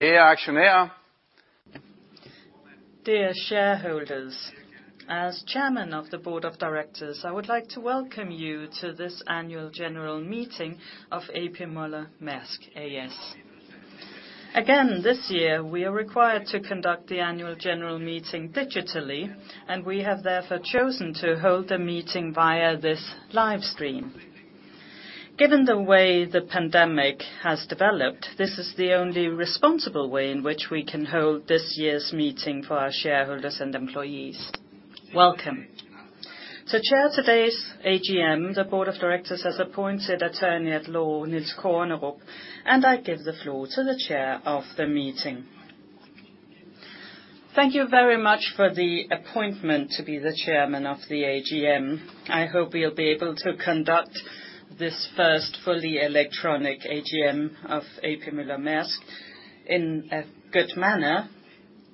Dear shareholders. As chairman of the board of directors, I would like to welcome you to this annual general meeting of A.P. Møller - Mærsk A/S. Again, this year, we are required to conduct the annual general meeting digitally, and we have therefore chosen to hold the meeting via this live stream. Given the way the pandemic has developed, this is the only responsible way in which we can hold this year's meeting for our shareholders and employees. Welcome. To chair today's AGM, the board of directors has appointed Attorney at Law, Niels Kornerup. I give the floor to the chair of the meeting. Thank you very much for the appointment to be the chairman of the AGM. I hope we'll be able to conduct this first fully electronic AGM of A.P. Møller - Mærsk in a good manner,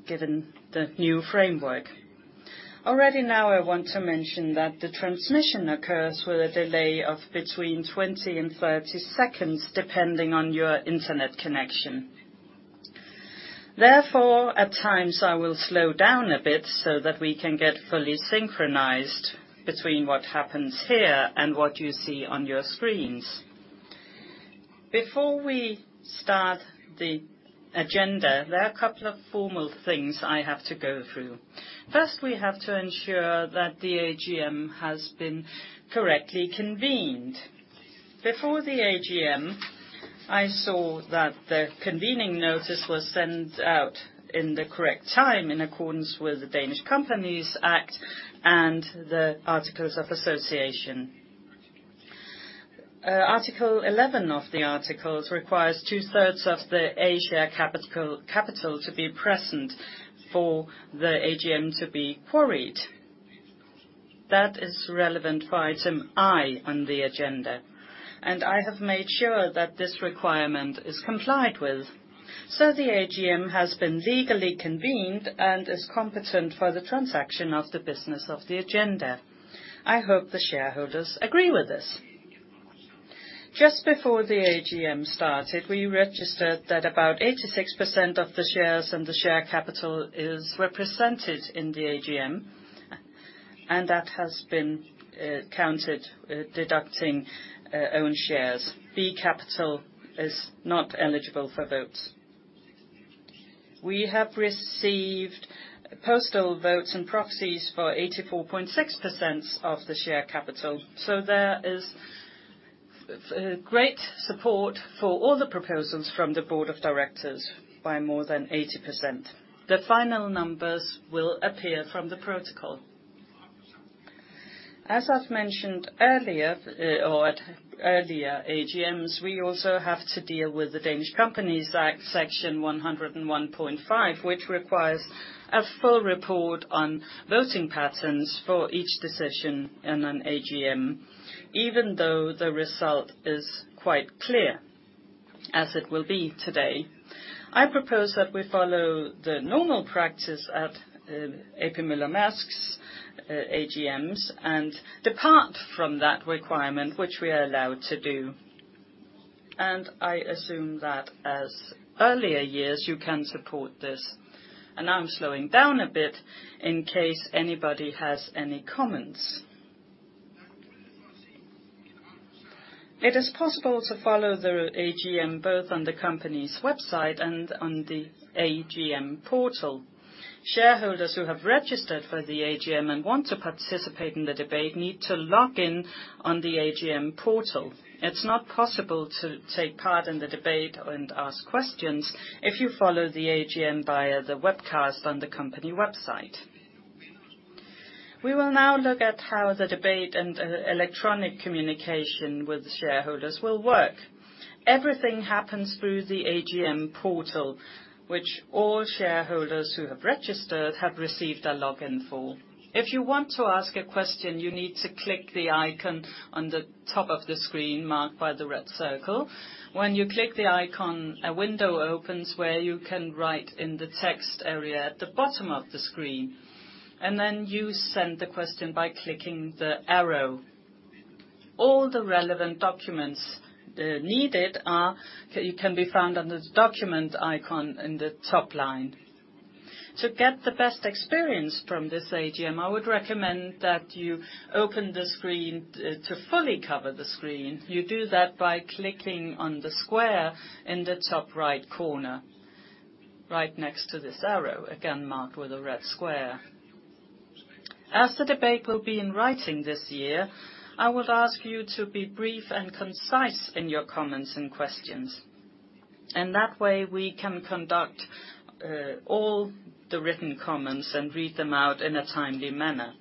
given the new framework. I want to mention that the transmission occurs with a delay of between 20 and 30 seconds, depending on your internet connection. Therefore, at times, I will slow down a bit so that we can get fully synchronized between what happens here and what you see on your screens. Before we start the agenda, there are a couple of formal things I have to go through. First, we have to ensure that the AGM has been correctly convened. Before the AGM, I saw that the convening notice was sent out in the correct time in accordance with the Danish Companies Act and the Articles of Association. Article 11 of the articles requires two-thirds of the A share capital to be present for the AGM to be quorumed. That is relevant for item I on the agenda. I have made sure that this requirement is complied with. The AGM has been legally convened and is competent for the transaction of the business of the agenda. I hope the shareholders agree with this. Just before the AGM started, we registered that about 86% of the shares and the share capital is represented in the AGM, and that has been counted deducting own shares. B capital is not eligible for votes. We have received postal votes and proxies for 84.6% of the share capital. There is great support for all the proposals from the board of directors by more than 80%. The final numbers will appear from the protocol. As I've mentioned earlier, or at earlier AGMs, we also have to deal with the Danish Companies Act, Section 101.5, which requires a full report on voting patterns for each decision in an AGM, even though the result is quite clear, as it will be today. I propose that we follow the normal practice at A.P. Møller - Mærsk's AGMs and depart from that requirement, which we are allowed to do. I assume that as earlier years, you can support this. Now I'm slowing down a bit in case anybody has any comments. It is possible to follow the AGM both on the company's website and on the AGM Portal. Shareholders who have registered for the AGM and want to participate in the debate need to log in on the AGM Portal. It's not possible to take part in the debate and ask questions if you follow the AGM via the webcast on the company website. We will now look at how the debate and electronic communication with shareholders will work. Everything happens through the AGM Portal, which all shareholders who have registered have received a login for. If you want to ask a question, you need to click the icon on the top of the screen marked by the red circle. When you click the icon, a window opens where you can write in the text area at the bottom of the screen, and then you send the question by clicking the arrow. All the relevant documents needed can be found under the document icon in the top line. To get the best experience from this AGM, I would recommend that you open the screen to fully cover the screen. You do that by clicking on the square in the top right corner, right next to this arrow, again marked with a red square. As the debate will be in writing this year, I would ask you to be brief and concise in your comments and questions. That way, we can conduct all the written comments and read them out in a timely manner.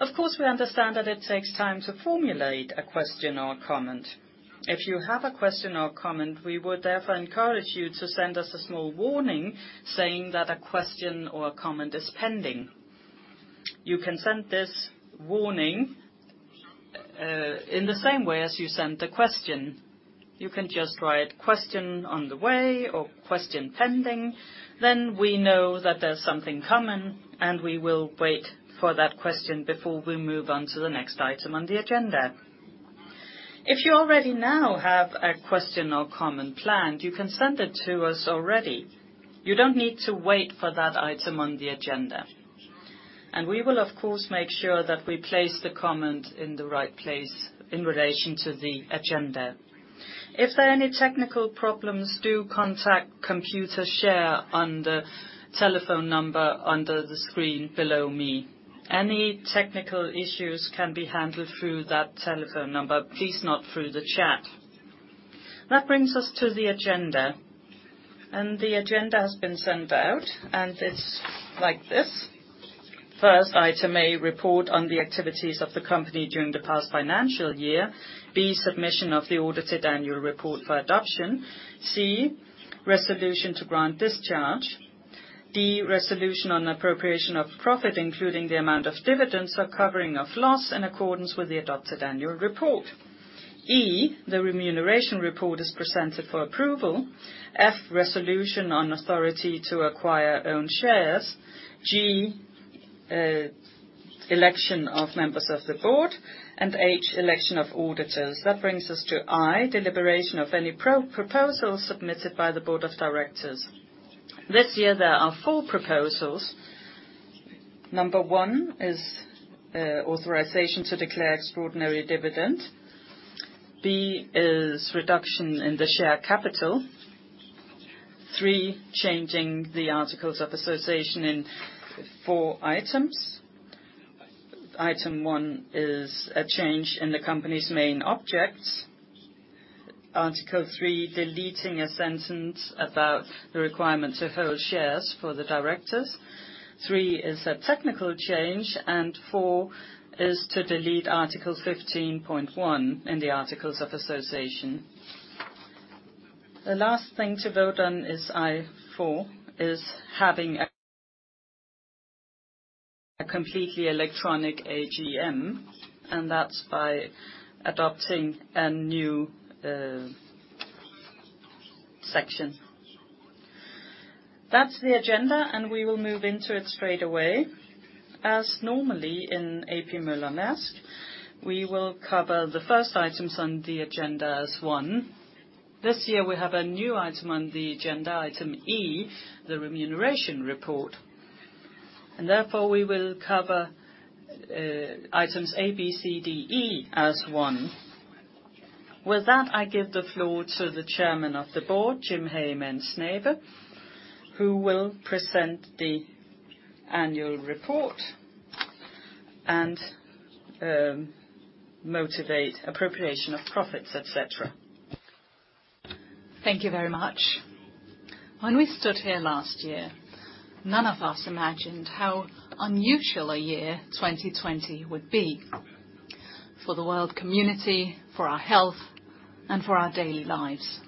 Of course, we understand that it takes time to formulate a question or a comment. If you have a question or a comment, we would therefore encourage you to send us a small warning saying that a question or a comment is pending. You can send this warning in the same way as you send the question. You can just write, "Question on the way," or "Question pending." We know that there's something coming, and we will wait for that question before we move on to the next item on the agenda. If you already now have a question or comment planned, you can send it to us already. You don't need to wait for that item on the agenda. We will, of course, make sure that we place the comment in the right place in relation to the agenda. If there are any technical problems, do contact Computershare on the telephone number under the screen below me. Any technical issues can be handled through that telephone number, please not through the chat. That brings us to the agenda. The agenda has been sent out and it's like this. First item A, report on the activities of the company during the past financial year. B, submission of the audited annual report for adoption. C, resolution to grant discharge. D, resolution on appropriation of profit, including the amount of dividends or covering of loss in accordance with the adopted annual report. E, the remuneration report is presented for approval. F, resolution on authority to acquire own shares. G, election of members of the board. H, election of auditors. That brings us to I, deliberation of any proposals submitted by the Board of Directors. This year there are four proposals. Number one is authorization to declare extraordinary dividend. B is reduction in the share capital. three, changing the articles of association in four items. Item one is a change in the company's main objects. Article 3, deleting a sentence about the requirement to hold shares for the directors. Three is a technical change. Four is to delete article 15.1 in the articles of association. The last thing to vote on is I, four, is having a completely electronic AGM, and that's by adopting a new section. That's the agenda, and we will move into it straight away. As A.P. Møller - Mærsk, we will cover the first items on the agenda as one. This year, we have a new item on the agenda, item E, the remuneration report. Therefore, we will cover items A, B, C, D, E as one. With that, I give the floor to the Chairman of the Board, Jim Hagemann Snabe, who will present the annual report and motivate appropriation of profits, et cetera. Thank you very much. When we stood here last year, none of us imagined how unusual a year 2020 would be for the world community, for our health, and for our daily lives.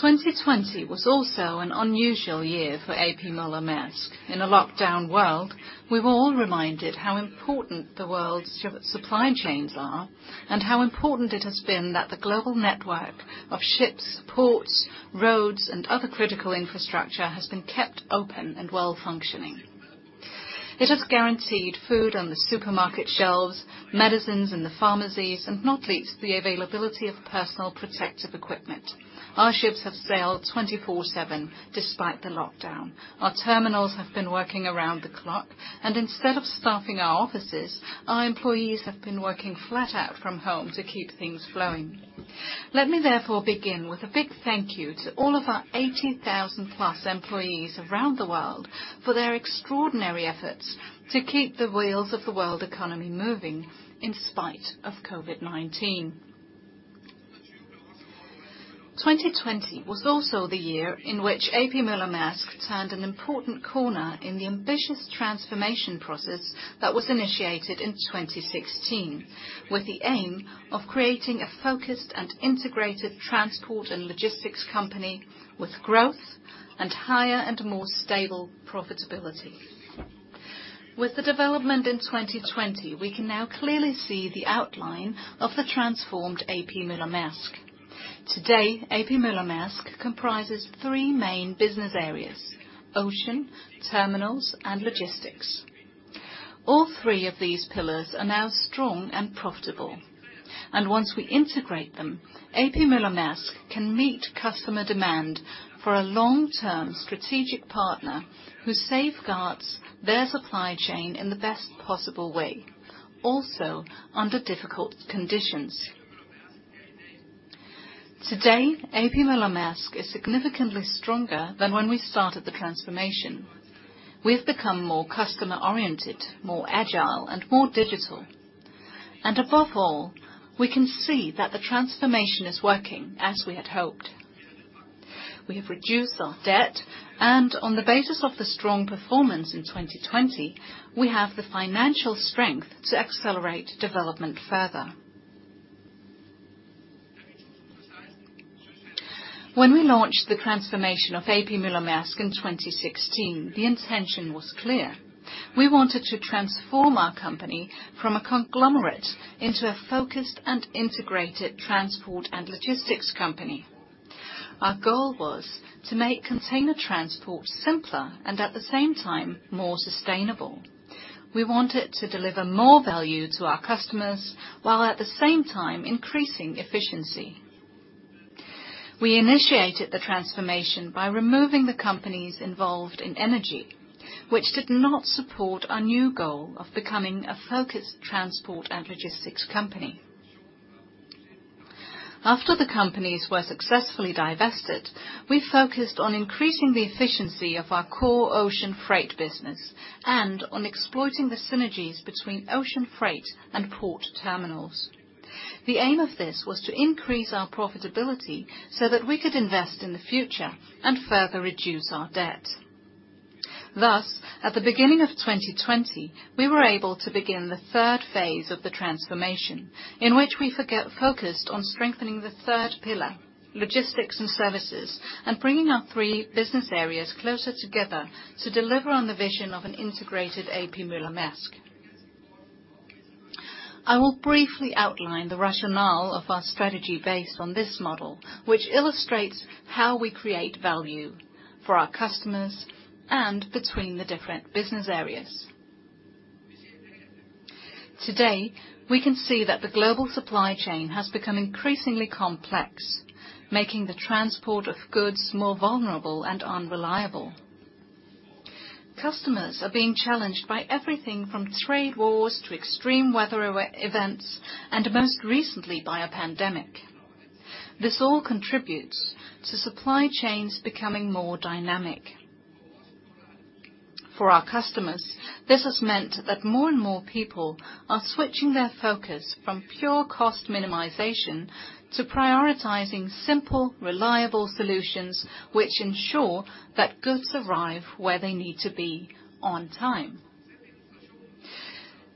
2020 was also an unusual A.P. Møller - Mærsk. In a lockdown world, we were all reminded how important the world's supply chains are and how important it has been that the global network of ships, ports, roads, and other critical infrastructure has been kept open and well functioning. It has guaranteed food on the supermarket shelves, medicines in the pharmacies, and not least, the availability of personal protective equipment. Our ships have sailed 24/7 despite the lockdown. Our terminals have been working around the clock, and instead of staffing our offices, our employees have been working flat out from home to keep things flowing. Let me therefore begin with a big thank you to all of our 80,000 plus employees around the world for their extraordinary efforts to keep the wheels of the world economy moving in spite of COVID-19. 2020 was also the year A.P. Møller - Mærsk turned an important corner in the ambitious transformation process that was initiated in 2016, with the aim of creating a focused and integrated transport and logistics company with growth and higher and more stable profitability. With the development in 2020, we can now clearly see the outline of A.P. Møller - Mærsk comprises three main business areas, ocean, terminals, and logistics. All three of these pillars are now strong and profitable. Once we A.P. Møller - Mærsk can meet customer demand for a long-term strategic partner who safeguards their supply chain in the best possible way, also under difficult conditions. A.P. Møller - Mærsk is significantly stronger than when we started the transformation. We have become more customer oriented, more agile and more digital. Above all, we can see that the transformation is working as we had hoped. We have reduced our debt, and on the basis of the strong performance in 2020, we have the financial strength to accelerate development further. When we launched the A.P. Møller - Mærsk in 2016, the intention was clear. We wanted to transform our company from a conglomerate into a focused and integrated transport and logistics company. Our goal was to make container transport simpler and, at the same time, more sustainable. We wanted to deliver more value to our customers, while at the same time increasing efficiency. We initiated the transformation by removing the companies involved in energy, which did not support our new goal of becoming a focused transport and logistics company. After the companies were successfully divested, we focused on increasing the efficiency of our core ocean freight business and on exploiting the synergies between ocean freight and port terminals. The aim of this was to increase our profitability so that we could invest in the future and further reduce our debt. Thus, at the beginning of 2020, we were able to begin the third phase of the transformation, in which we focused on strengthening the third pillar, logistics and services, and bringing our three business areas closer together to deliver on the vision of A.P. Møller - Mærsk. I will briefly outline the rationale of our strategy based on this model, which illustrates how we create value for our customers and between the different business areas. Today, we can see that the global supply chain has become increasingly complex, making the transport of goods more vulnerable and unreliable. Customers are being challenged by everything from trade wars to extreme weather events, and most recently by a pandemic. This all contributes to supply chains becoming more dynamic. For our customers, this has meant that more and more people are switching their focus from pure cost minimization to prioritizing simple, reliable solutions which ensure that goods arrive where they need to be on time.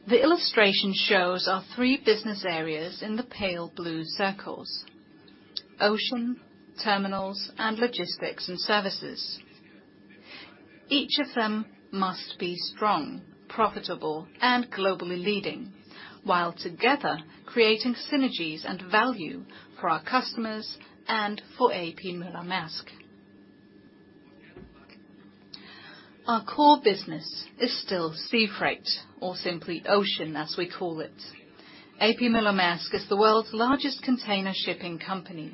The illustration shows our three business areas in the pale blue circles: Ocean, Terminals, and Logistics and Services. Each of them must be strong, profitable, and globally leading, while together creating synergies and value for our customers A.P. Møller - Mærsk. Our core business is still sea freight, or simply ocean, as we A.P. Møller - Mærsk is the world's largest container shipping company.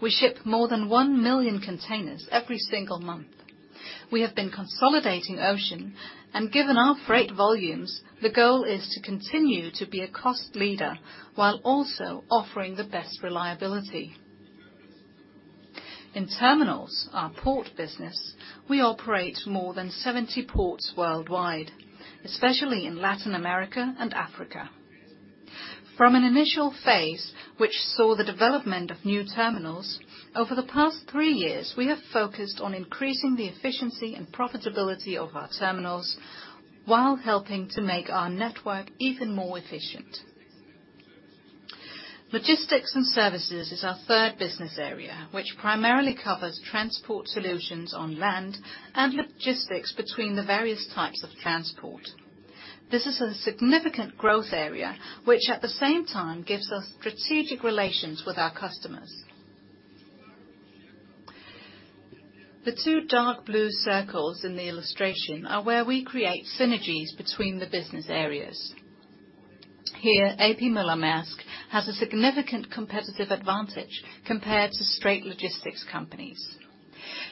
We ship more than 1 million containers every single month. We have been consolidating Ocean, and given our freight volumes, the goal is to continue to be a cost leader while also offering the best reliability. In Terminals, our port business, we operate more than 70 ports worldwide, especially in Latin America and Africa. From an initial phase, which saw the development of new Terminals, over the past three years, we have focused on increasing the efficiency and profitability of our Terminals while helping to make our network even more efficient. Logistics and Services is our third business area, which primarily covers transport solutions on land and logistics between the various types of transport. This is a significant growth area, which at the same time gives us strategic relations with our customers. The two dark blue circles in the illustration are where we create synergies between the business areas. Here, A.P. Møller-Mærsk has a significant competitive advantage compared to straight logistics companies.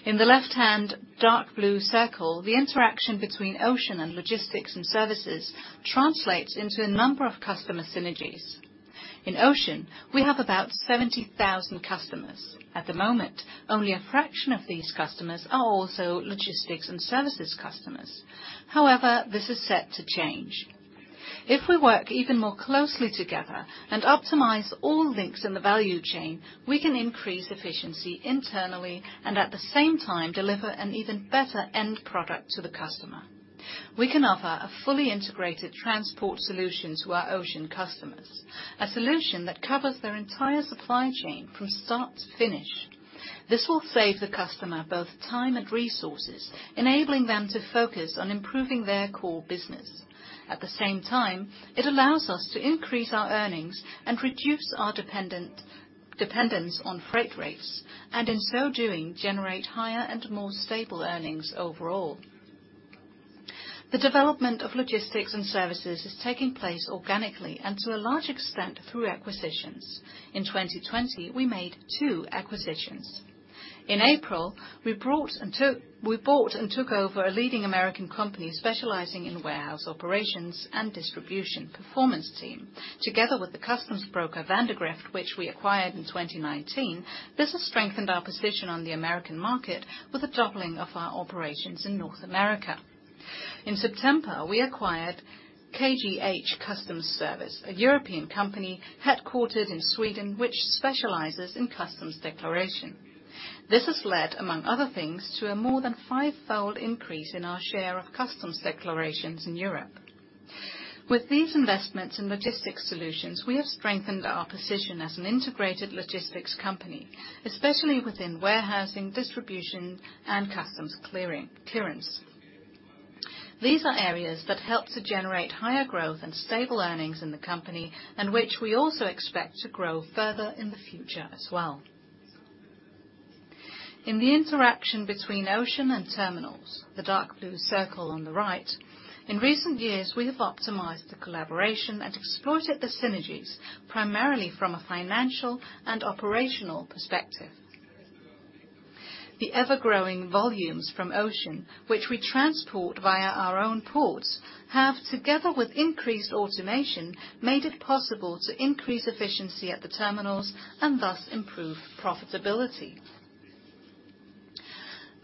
In the left hand dark blue circle, the interaction between ocean and logistics and services translates into a number of customer synergies. In ocean, we have about 70,000 customers. At the moment, only a fraction of these customers are also logistics and services customers. However, this is set to change. If we work even more closely together and optimize all links in the value chain, we can increase efficiency internally and, at the same time, deliver an even better end product to the customer. We can offer a fully integrated transport solution to our ocean customers, a solution that covers their entire supply chain from start to finish. This will save the customer both time and resources, enabling them to focus on improving their core business. At the same time, it allows us to increase our earnings and reduce our dependence on freight rates, and in so doing, generate higher and more stable earnings overall. The development of logistics and services is taking place organically and, to a large extent, through acquisitions. In 2020, we made two acquisitions. In April, we bought and took over a leading U.S. company specializing in warehouse operations and distribution, Performance Team. Together with the customs broker, Vandegrift, which we acquired in 2019, this has strengthened our position on the U.S. market with a doubling of our operations in North America. In September, we acquired KGH Customs Services, a European company headquartered in Sweden, which specializes in customs declaration. This has led, among other things, to a more than fivefold increase in our share of customs declarations in Europe. With these investments in logistics solutions, we have strengthened our position as an integrated logistics company, especially within warehousing, distribution, and customs clearance. These are areas that help to generate higher growth and stable earnings in the company, and which we also expect to grow further in the future as well. In the interaction between ocean and terminals, the dark blue circle on the right, in recent years, we have optimized the collaboration and exploited the synergies, primarily from a financial and operational perspective. The ever-growing volumes from ocean, which we transport via our own ports, have, together with increased automation, made it possible to increase efficiency at the terminals and thus improve profitability.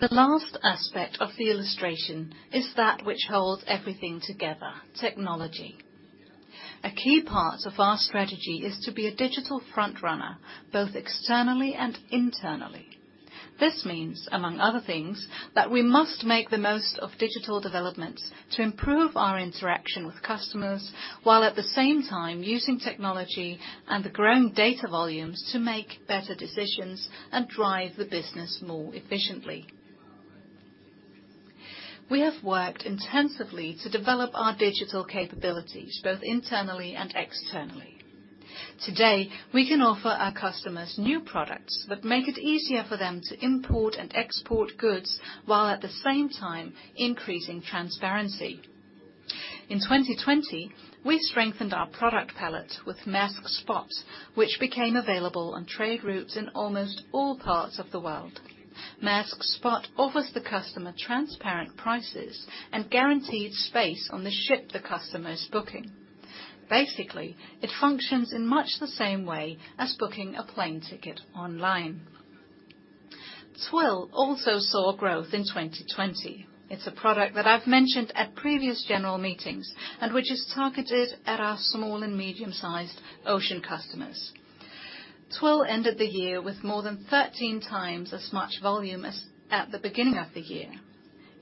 The last aspect of the illustration is that which holds everything together, technology. A key part of our strategy is to be a digital front-runner, both externally and internally. This means, among other things, that we must make the most of digital developments to improve our interaction with customers, while at the same time using technology and the growing data volumes to make better decisions and drive the business more efficiently. We have worked intensively to develop our digital capabilities both internally and externally. Today, we can offer our customers new products that make it easier for them to import and export goods, while at the same time increasing transparency. In 2020, we strengthened our product palette with Mærsk Spot, which became available on trade routes in almost all parts of the world. Mærsk Spot offers the customer transparent prices and guaranteed space on the ship the customer is booking. Basically, it functions in much the same way as booking a plane ticket online. Twill also saw growth in 2020. It's a product that I've mentioned at previous general meetings and which is targeted at our small and medium-sized ocean customers. Twill ended the year with more than 13 times as much volume as at the beginning of the year.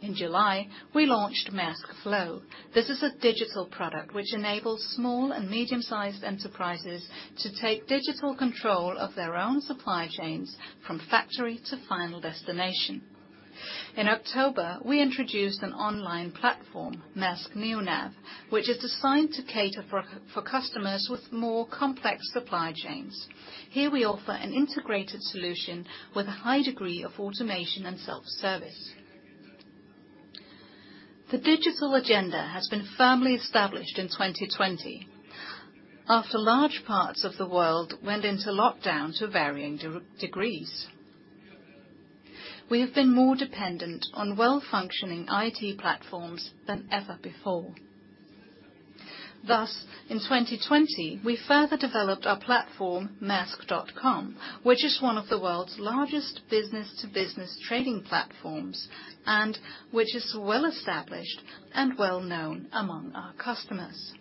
In July, we launched Mærsk Flow. This is a digital product which enables small and medium-sized enterprises to take digital control of their own supply chains from factory to final destination. In October, we introduced an online platform, Mærsk NeoNav, which is designed to cater for customers with more complex supply chains. Here we offer an integrated solution with a high degree of automation and self-service. The digital agenda has been firmly established in 2020. After large parts of the world went into lockdown to varying degrees, we have been more dependent on well-functioning IT platforms than ever before. Thus, in 2020, we further developed our platform, maersk.com, which is one of the world's largest business-to-business trading platforms and which is well-established and well-known among our customers.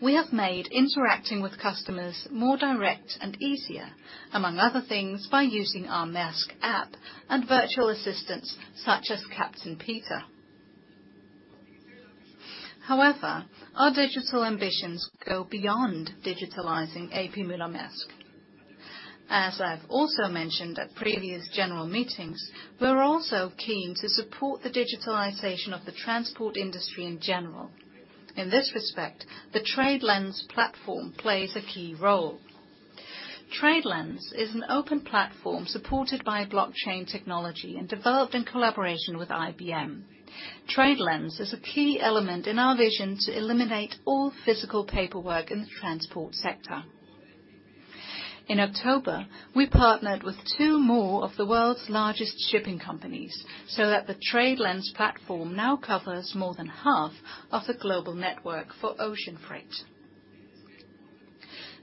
We have made interacting with customers more direct and easier, among other things, by using our Mærsk app and virtual assistants such as Captain Peter. However, our digital ambitions go beyond digitalizing A.P. Møller - Mærsk. As I've also mentioned at previous general meetings, we're also keen to support the digitalization of the transport industry in general. In this respect, the TradeLens platform plays a key role. TradeLens is an open platform supported by blockchain technology and developed in collaboration with IBM. TradeLens is a key element in our vision to eliminate all physical paperwork in the transport sector. In October, we partnered with two more of the world's largest shipping companies, so that the TradeLens platform now covers more than half of the global network for ocean freight.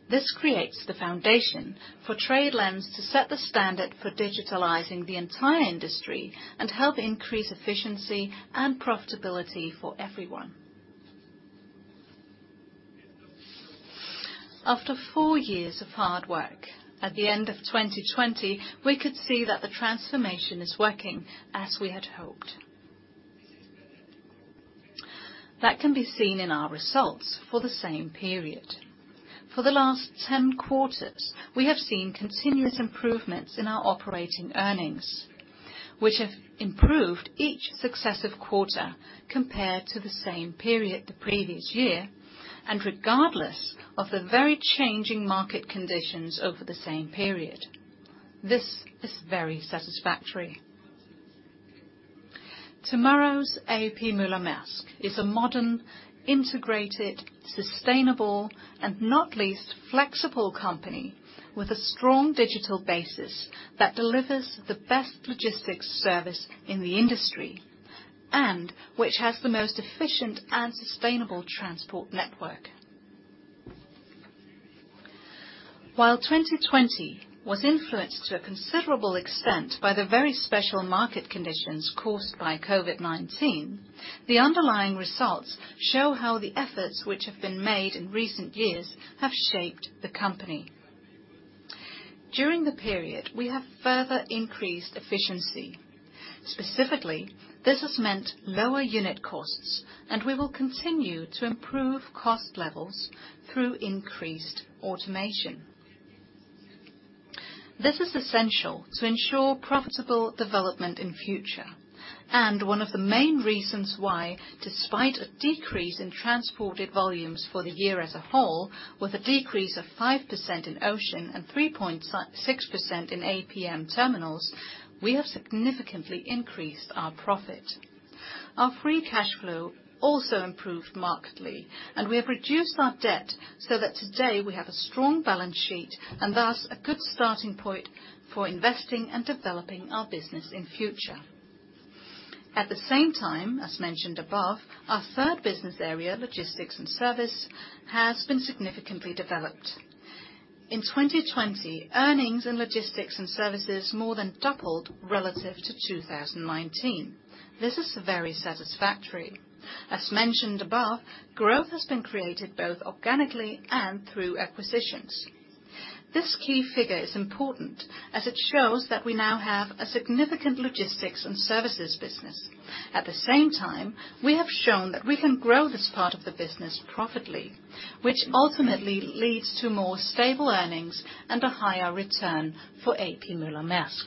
This creates the foundation for TradeLens to set the standard for digitalizing the entire industry and help increase efficiency and profitability for everyone. After four years of hard work, at the end of 2020, we could see that the transformation is working as we had hoped. That can be seen in our results for the same period. For the last 10 quarters, we have seen continuous improvements in our operating earnings, which have improved each successive quarter compared to the same period the previous year, and regardless of the very changing market conditions over the same period. This is very satisfactory. Tomorrow's A.P. Møller-Mærsk is a modern, integrated, sustainable, and not least, flexible company with a strong digital basis that delivers the best logistics service in the industry and which has the most efficient and sustainable transport network. While 2020 was influenced to a considerable extent by the very special market conditions caused by COVID-19, the underlying results show how the efforts which have been made in recent years have shaped the company. During the period, we have further increased efficiency. Specifically, this has meant lower unit costs, and we will continue to improve cost levels through increased automation. This is essential to ensure profitable development in future, and one of the main reasons why, despite a decrease in transported volumes for the year as a whole, with a decrease of 5% in Ocean and 3.6% in APM Terminals, we have significantly increased our profit. Our free cash flow also improved markedly, and we have reduced our debt so that today we have a strong balance sheet and thus a good starting point for investing and developing our business in future. At the same time, as mentioned above, our third business area, Logistics and service, has been significantly developed. In 2020, earnings in Logistics and services more than doubled relative to 2019. This is very satisfactory. As mentioned above, growth has been created both organically and through acquisitions. This key figure is important, as it shows that we now have a significant logistics and services business. At the same time, we have shown that we can grow this part of the business profitably, which ultimately leads to more stable earnings and a higher return for A.P. Møller - Mærsk.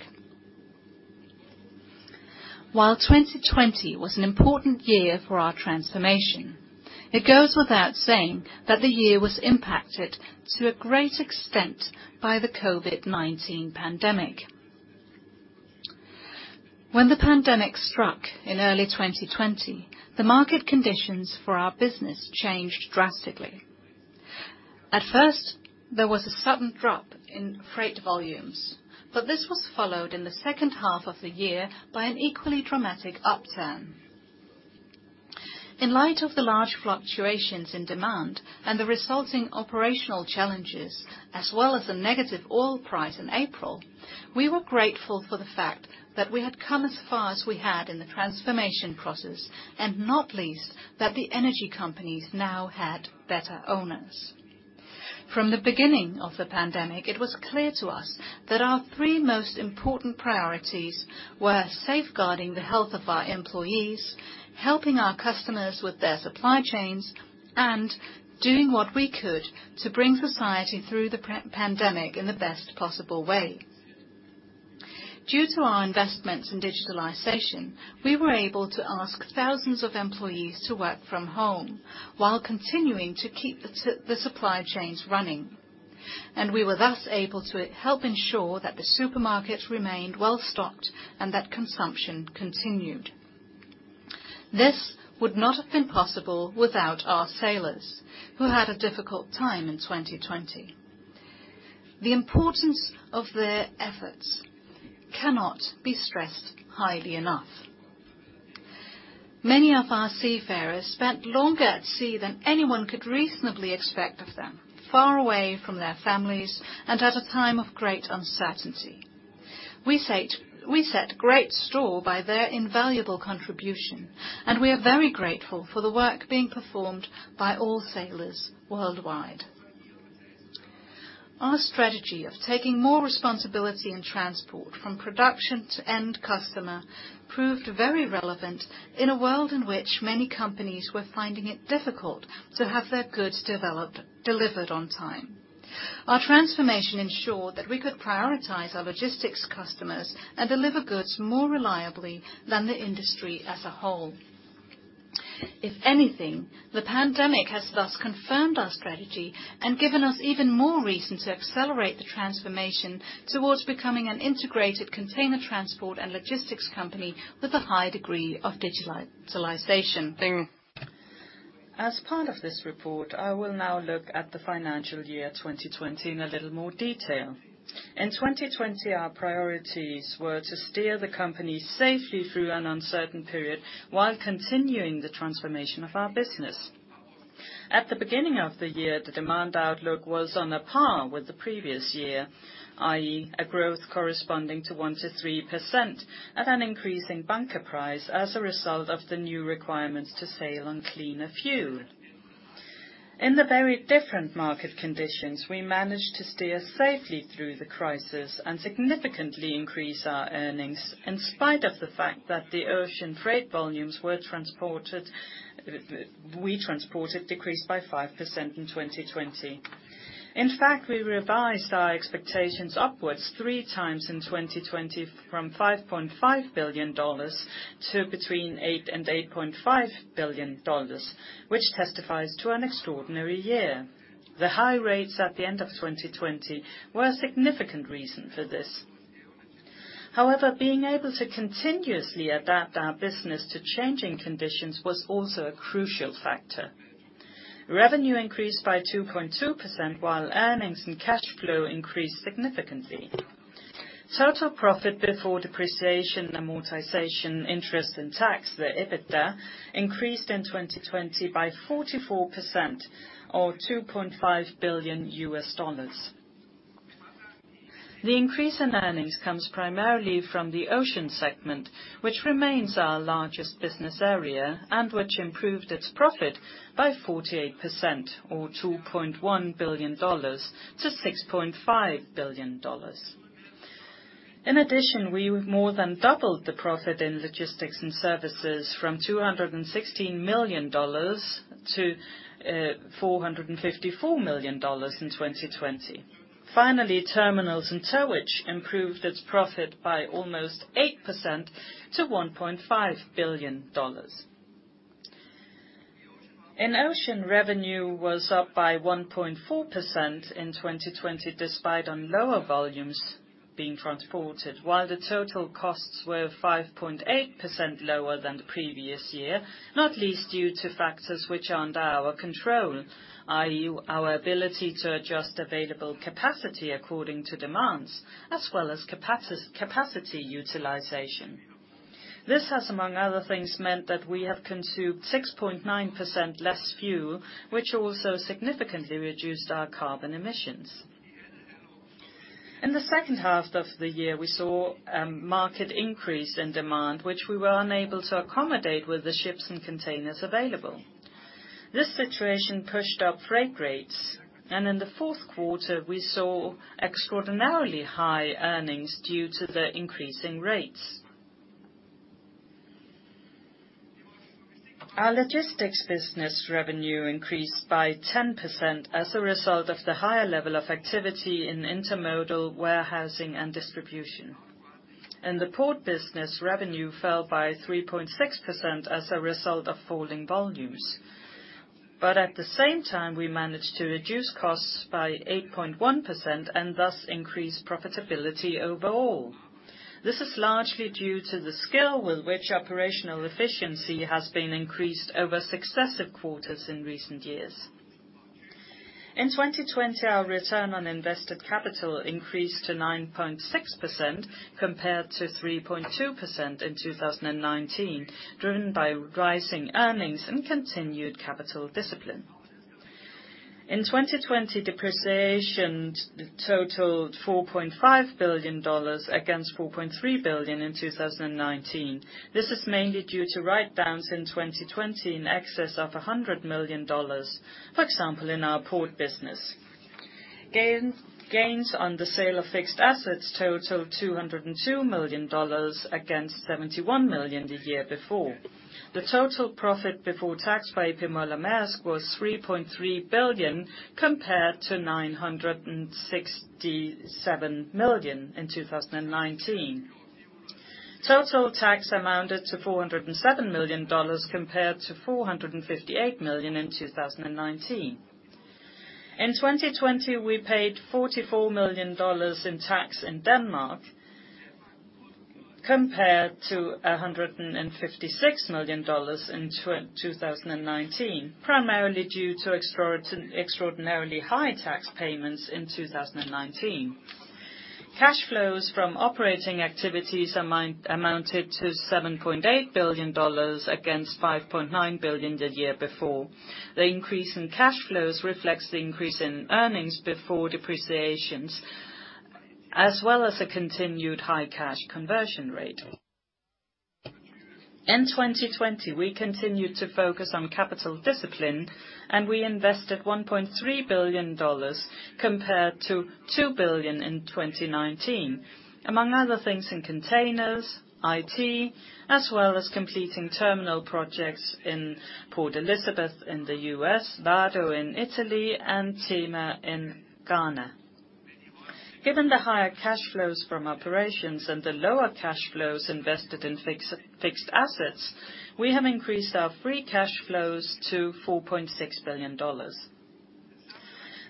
While 2020 was an important year for our transformation, it goes without saying that the year was impacted to a great extent by the COVID-19 pandemic. When the pandemic struck in early 2020, the market conditions for our business changed drastically. At first, there was a sudden drop in freight volumes, but this was followed in the second half of the year by an equally dramatic upturn. In light of the large fluctuations in demand and the resulting operational challenges, as well as the negative oil price in April, we were grateful for the fact that we had come as far as we had in the transformation process, and not least that the energy companies now had better owners. From the beginning of the pandemic, it was clear to us that our three most important priorities were safeguarding the health of our employees, helping our customers with their supply chains, and doing what we could to bring society through the pandemic in the best possible way. Due to our investments in digitalization, we were able to ask thousands of employees to work from home while continuing to keep the supply chains running. We were thus able to help ensure that the supermarket remained well-stocked and that consumption continued. This would not have been possible without our sailors, who had a difficult time in 2020. The importance of their efforts cannot be stressed highly enough. Many of our seafarers spent longer at sea than anyone could reasonably expect of them, far away from their families and at a time of great uncertainty. We set great store by their invaluable contribution, and we are very grateful for the work being performed by all sailors worldwide. Our strategy of taking more responsibility in transport from production to end customer proved very relevant in a world in which many companies were finding it difficult to have their goods delivered on time. Our transformation ensured that we could prioritize our logistics customers and deliver goods more reliably than the industry as a whole. If anything, the pandemic has thus confirmed our strategy and given us even more reason to accelerate the transformation towards becoming an integrated container transport and logistics company with a high degree of digitalization. As part of this report, I will now look at the financial year 2020 in a little more detail. In 2020, our priorities were to steer the company safely through an uncertain period while continuing the transformation of our business. At the beginning of the year, the demand outlook was on par with the previous year, i.e., a growth corresponding to 1%-3% at an increasing bunker price as a result of the new requirements to sail on cleaner fuel. In the very different market conditions, we managed to steer safely through the crisis and significantly increase our earnings, in spite of the fact that the Ocean freight volumes we transported decreased by 5% in 2020. In fact, we revised our expectations upwards three times in 2020 from $5.5 billion to between $8 billion and $8.5 billion, which testifies to an extraordinary year. The high rates at the end of 2020 were a significant reason for this. However, being able to continuously adapt our business to changing conditions was also a crucial factor. Revenue increased by 2.2%, while earnings and cash flow increased significantly. Total profit before depreciation, amortization, interest, and tax, the EBITDA, increased in 2020 by 44% or $2.5 billion. The increase in earnings comes primarily from the Ocean segment, which remains our largest business area and which improved its profit by 48% or $2.1 billion-$6.5 billion. In addition, we more than doubled the profit in logistics and services from $216 million-$454 million in 2020. Finally, Terminals and Towage improved its profit by almost 8% to $1.5 billion. In Ocean, revenue was up by 1.4% in 2020, despite lower volumes being transported, while the total costs were 5.8% lower than the previous year, not least due to factors which are under our control, i.e., our ability to adjust available capacity according to demands, as well as capacity utilization. This has, among other things, meant that we have consumed 6.9% less fuel, which also significantly reduced our carbon emissions. In the second half of the year, we saw a market increase in demand, which we were unable to accommodate with the ships and containers available. This situation pushed up freight rates, and in the fourth quarter, we saw extraordinarily high earnings due to the increasing rates. Our logistics business revenue increased by 10% as a result of the higher level of activity in intermodal warehousing and distribution. In the port business, revenue fell by 3.6% as a result of falling volumes. At the same time, we managed to reduce costs by 8.1% and thus increase profitability overall. This is largely due to the skill with which operational efficiency has been increased over successive quarters in recent years. In 2020, our return on invested capital increased to 9.6% compared to 3.2% in 2019, driven by rising earnings and continued capital discipline. In 2020, depreciation totaled $4.5 billion against $4.3 billion in 2019. This is mainly due to write-downs in 2020 in excess of $100 million, for example, in our port business. Gains on the sale of fixed assets totaled $202 million against $71 million the year before. The total profit before tax by A.P. Møller. - Mærsk was $3.3 billion compared to $967 million in 2019. Total tax amounted to $407 million compared to $458 million in 2019. In 2020, we paid $44 million in tax in Denmark compared to $156 million in 2019, primarily due to extraordinarily high tax payments in 2019. Cash flows from operating activities amounted to $7.8 billion against $5.9 billion the year before. The increase in cash flows reflects the increase in earnings before depreciation, as well as a continued high cash conversion rate. In 2020, we continued to focus on capital discipline, and we invested $1.3 billion compared to $2 billion in 2019. Among other things in containers, IT, as well as completing terminal projects in Port Elizabeth in the U.S., Vado in Italy, and Tema in Ghana. Given the higher cash flows from operations and the lower cash flows invested in fixed assets, we have increased our free cash flows to $4.6 billion.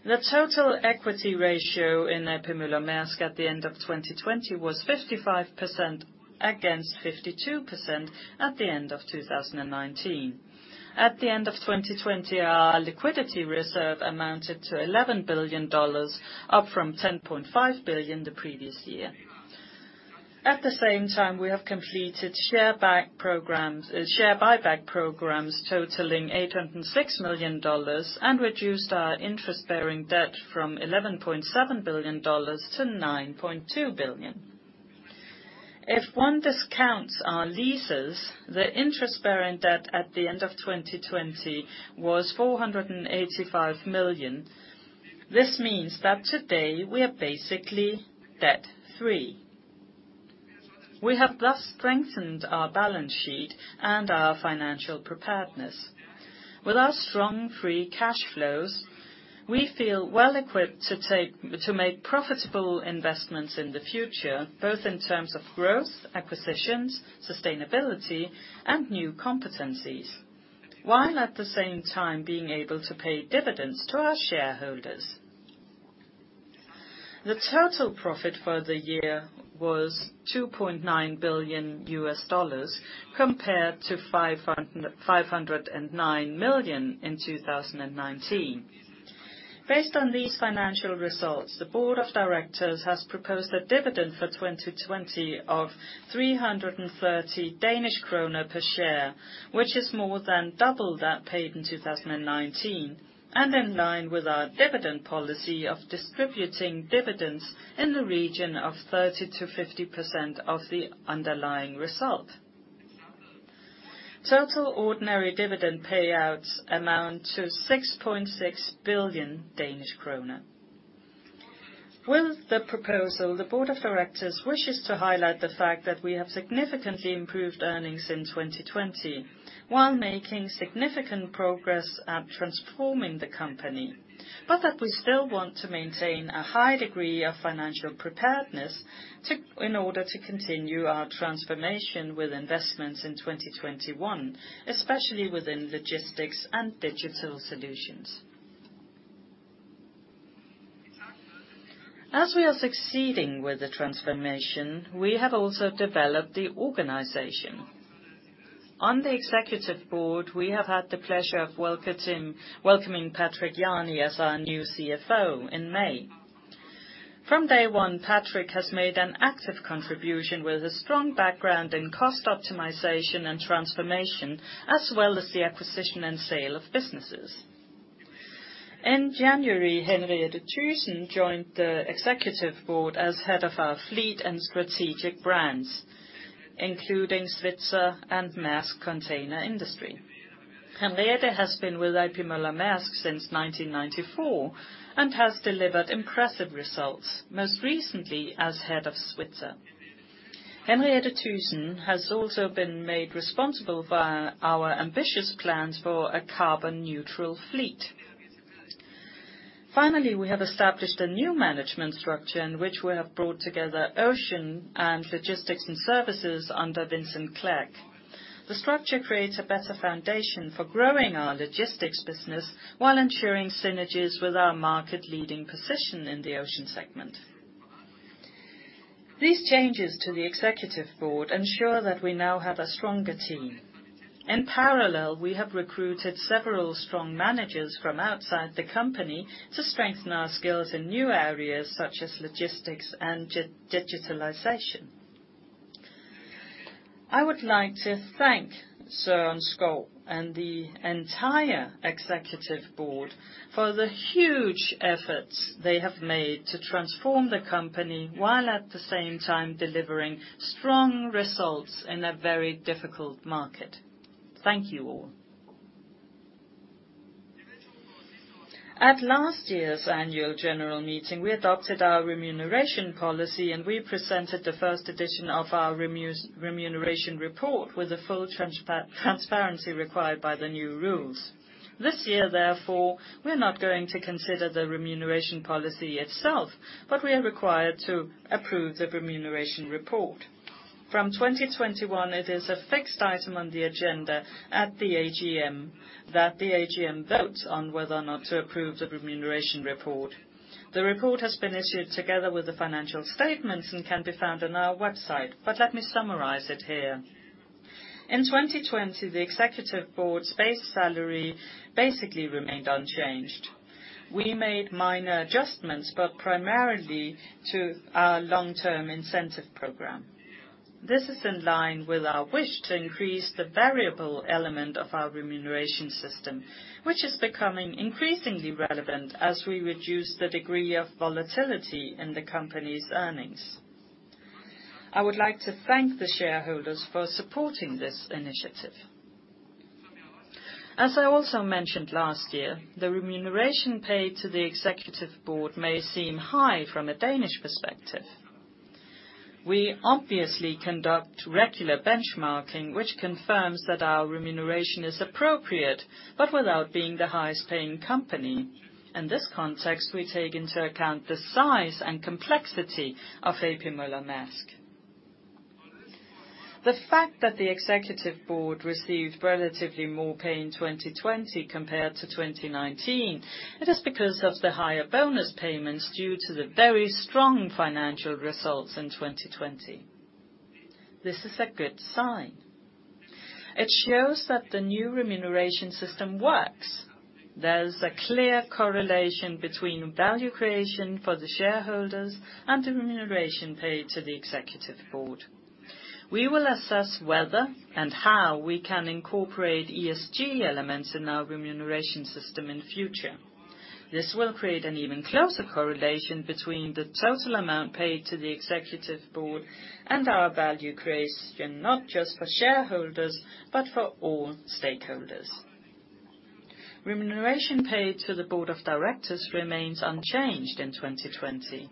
The total equity A.P. Møller - Mærsk at the end of 2020 was 55% against 52% at the end of 2019. At the end of 2020, our liquidity reserve amounted to $11 billion, up from $10.5 billion the previous year. At the same time, we have completed share buyback programs totaling $806 million. We reduced our interest-bearing debt from $11.7 billion-$9.2 billion. If one discounts our leases, the interest-bearing debt at the end of 2020 was $485 million. This means that today we are basically debt-free. We have thus strengthened our balance sheet and our financial preparedness. With our strong free cash flows, we feel well equipped to make profitable investments in the future, both in terms of growth, acquisitions, sustainability, and new competencies, while at the same time being able to pay dividends to our shareholders. The total profit for the year was $2.9 billion compared to $509 million in 2019. Based on these financial results, the Board of Directors has proposed a dividend for 2020 of 330 Danish kroner per share, which is more than double that paid in 2019, and in line with our dividend policy of distributing dividends in the region of 30%-50% of the underlying result. Total ordinary dividend payouts amount to 6.6 billion Danish kroner. With the proposal, the Board of Directors wishes to highlight the fact that we have significantly improved earnings in 2020, while making significant progress at transforming the company. We still want to maintain a high degree of financial preparedness, in order to continue our transformation with investments in 2021, especially within logistics and digital solutions. As we are succeeding with the transformation, we have also developed the organization. On the executive board, we have had the pleasure of welcoming Patrick Jany as our new CFO in May. From day one, Patrick has made an active contribution with a strong background in cost optimization and transformation, as well as the acquisition and sale of businesses. In January, Henriette Thygesen joined the executive board as head of our fleet and strategic brands, including Svitzer and Mærsk Container Industry. Henriette has been with A.P. Møller - Mærsk since 1994 and has delivered impressive results, most recently as head of Svitzer. Henriette Thygesen has also been made responsible for our ambitious plans for a carbon neutral fleet. Finally, we have established a new management structure in which we have brought together ocean and logistics and services under Vincent Clerc. The structure creates a better foundation for growing our logistics business while ensuring synergies with our market leading position in the ocean segment. These changes to the executive board ensure that we now have a stronger team. In parallel, we have recruited several strong managers from outside the company to strengthen our skills in new areas such as logistics and digitalization. I would like to thank Søren Skou and the entire executive board for the huge efforts they have made to transform the company, while at the same time delivering strong results in a very difficult market. Thank you all. At last year's annual general meeting, we adopted our remuneration policy, and we presented the first edition of our remuneration report with the full transparency required by the new rules. This year, therefore, we're not going to consider the remuneration policy itself, but we are required to approve the remuneration report. From 2021, it is a fixed item on the agenda at the AGM, that the AGM votes on whether or not to approve the remuneration report. The report has been issued together with the financial statements and can be found on our website, but let me summarize it here. In 2020, the executive board's base salary basically remained unchanged. We made minor adjustments, but primarily to our long-term incentive program. This is in line with our wish to increase the variable element of our remuneration system, which is becoming increasingly relevant as we reduce the degree of volatility in the company's earnings. I would like to thank the shareholders for supporting this initiative. As I also mentioned last year, the remuneration paid to the executive board may seem high from a Danish perspective. We obviously conduct regular benchmarking, which confirms that our remuneration is appropriate, but without being the highest paying company. In this context, we take into account the size and complexity of A.P. Møller - Mærsk. The fact that the executive board received relatively more pay in 2020 compared to 2019, it is because of the higher bonus payments due to the very strong financial results in 2020. This is a good sign. It shows that the new remuneration system works. There's a clear correlation between value creation for the shareholders and remuneration paid to the executive board. We will assess whether and how we can incorporate ESG elements in our remuneration system in future. This will create an even closer correlation between the total amount paid to the executive board and our value creation, not just for shareholders, but for all stakeholders. Remuneration paid to the board of directors remains unchanged in 2020.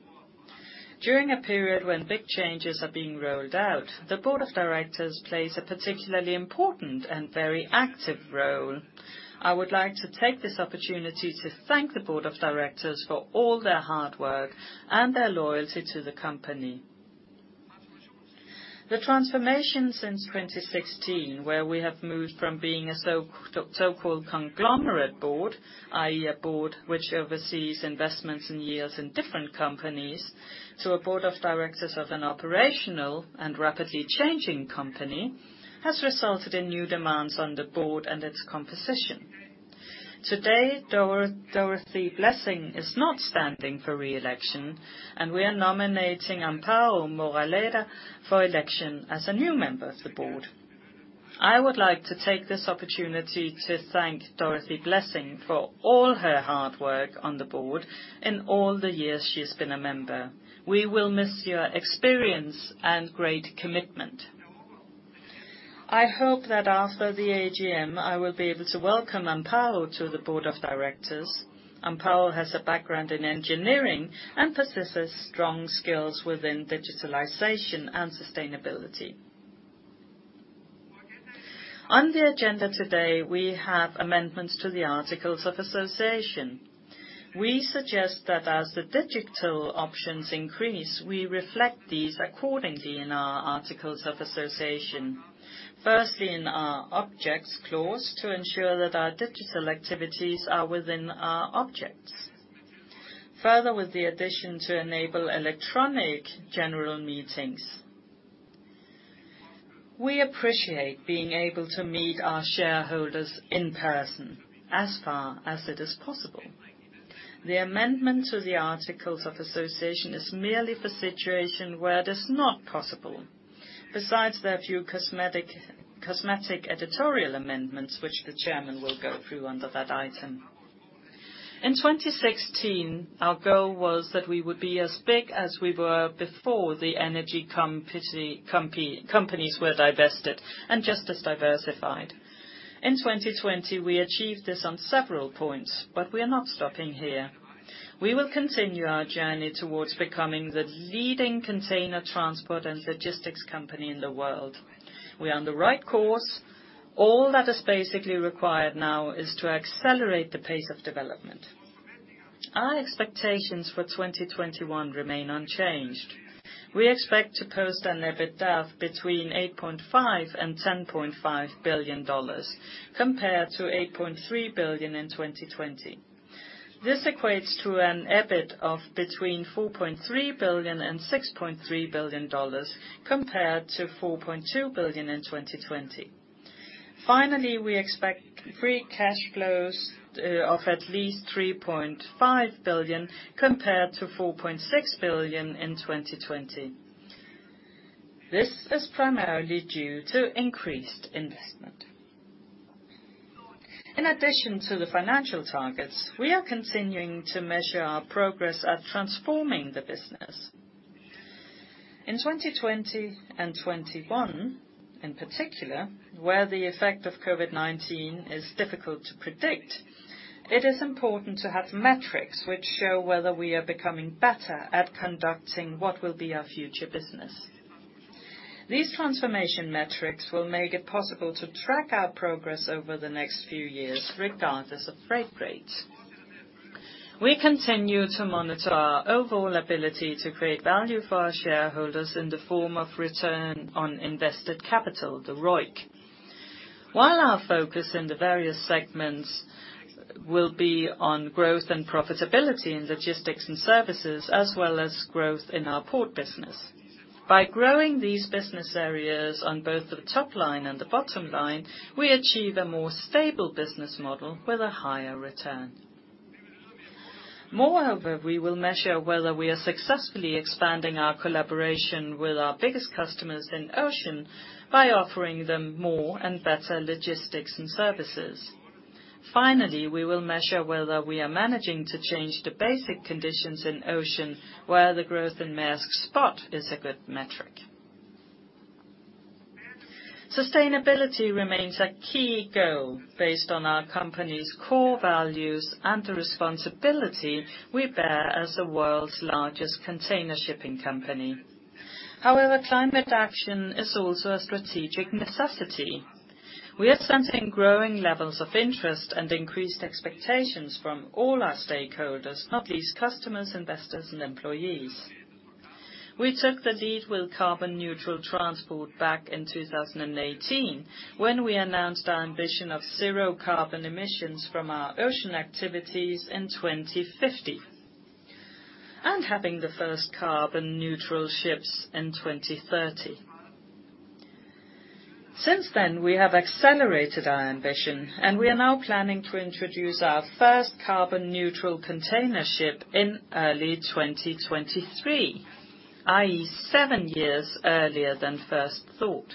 During a period when big changes are being rolled out, the board of directors plays a particularly important and very active role. I would like to take this opportunity to thank the board of directors for all their hard work and their loyalty to the company. The transformation since 2016, where we have moved from being a so-called conglomerate board, i.e., a board which oversees investments and yields in different companies, to a board of directors of an operational and rapidly changing company, has resulted in new demands on the board and its composition. Today, Dorothee Blessing is not standing for re-election, and we are nominating Amparo Moraleda for election as a new member of the board. I would like to take this opportunity to thank Dorothee Blessing for all her hard work on the board in all the years she's been a member. We will miss your experience and great commitment. I hope that after the AGM, I will be able to welcome Amparo to the board of directors. Amparo has a background in engineering and possesses strong skills within digitalization and sustainability. On the agenda today, we have amendments to the articles of association. We suggest that as the digital options increase, we reflect these accordingly in our articles of association. In our objects clause to ensure that our digital activities are within our objects. With the addition to enable electronic general meetings. We appreciate being able to meet our shareholders in person as far as it is possible. The amendment to the articles of association is merely for situation where it is not possible. The few cosmetic editorial amendments, which the chairman will go through under that item. In 2016, our goal was that we would be as big as we were before the energy companies were divested and just as diversified. In 2020, we achieved this on several points. We are not stopping here. We will continue our journey towards becoming the leading container transport and logistics company in the world. We are on the right course. All that is basically required now is to accelerate the pace of development. Our expectations for 2021 remain unchanged. We expect to post an EBITDA between $8.5 billion and $10.5 billion compared to $8.3 billion in 2020. This equates to an EBIT of between $4.3 billion and $6.3 billion compared to $4.2 billion in 2020. Finally, we expect free cash flows of at least $3.5 billion compared to $4.6 billion in 2020. This is primarily due to increased investment. In addition to the financial targets, we are continuing to measure our progress at transforming the business. In 2020 and 2021, in particular, where the effect of COVID-19 is difficult to predict, it is important to have metrics which show whether we are becoming better at conducting what will be our future business. These transformation metrics will make it possible to track our progress over the next few years, regardless of freight rates. We continue to monitor our overall ability to create value for our shareholders in the form of return on invested capital, the ROIC. While our focus in the various segments will be on growth and profitability in logistics and services, as well as growth in our port business. By growing these business areas on both the top line and the bottom line, we achieve a more stable business model with a higher return. Moreover, we will measure whether we are successfully expanding our collaboration with our biggest customers in Ocean by offering them more and better logistics and services. Finally, we will measure whether we are managing to change the basic conditions in Ocean, where the growth in Mærsk Spot is a good metric. Sustainability remains a key goal based on our company's core values and the responsibility we bear as the world's largest container shipping company. However, climate action is also a strategic necessity. We are sensing growing levels of interest and increased expectations from all our stakeholders, not least customers, investors, and employees. We took the lead with carbon neutral transport back in 2018 when we announced our ambition of zero carbon emissions from our ocean activities in 2050, and having the first carbon neutral ships in 2030. Since then, we have accelerated our ambition, and we are now planning to introduce our first carbon neutral container ship in early 2023, i.e., seven years earlier than first thought.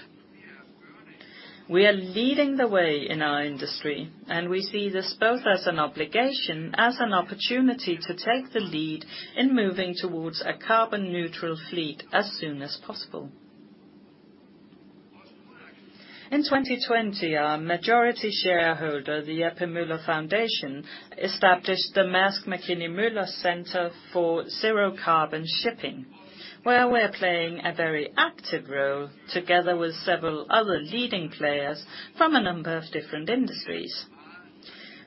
We are leading the way in our industry, and we see this both as an obligation, as an opportunity to take the lead in moving towards a carbon neutral fleet as soon as possible. In 2020, our majority shareholder, the A.P. Møller Foundation, established the Mærsk Mc-Kinney Møller Center for Zero Carbon Shipping, where we are playing a very active role together with several other leading players from a number of different industries.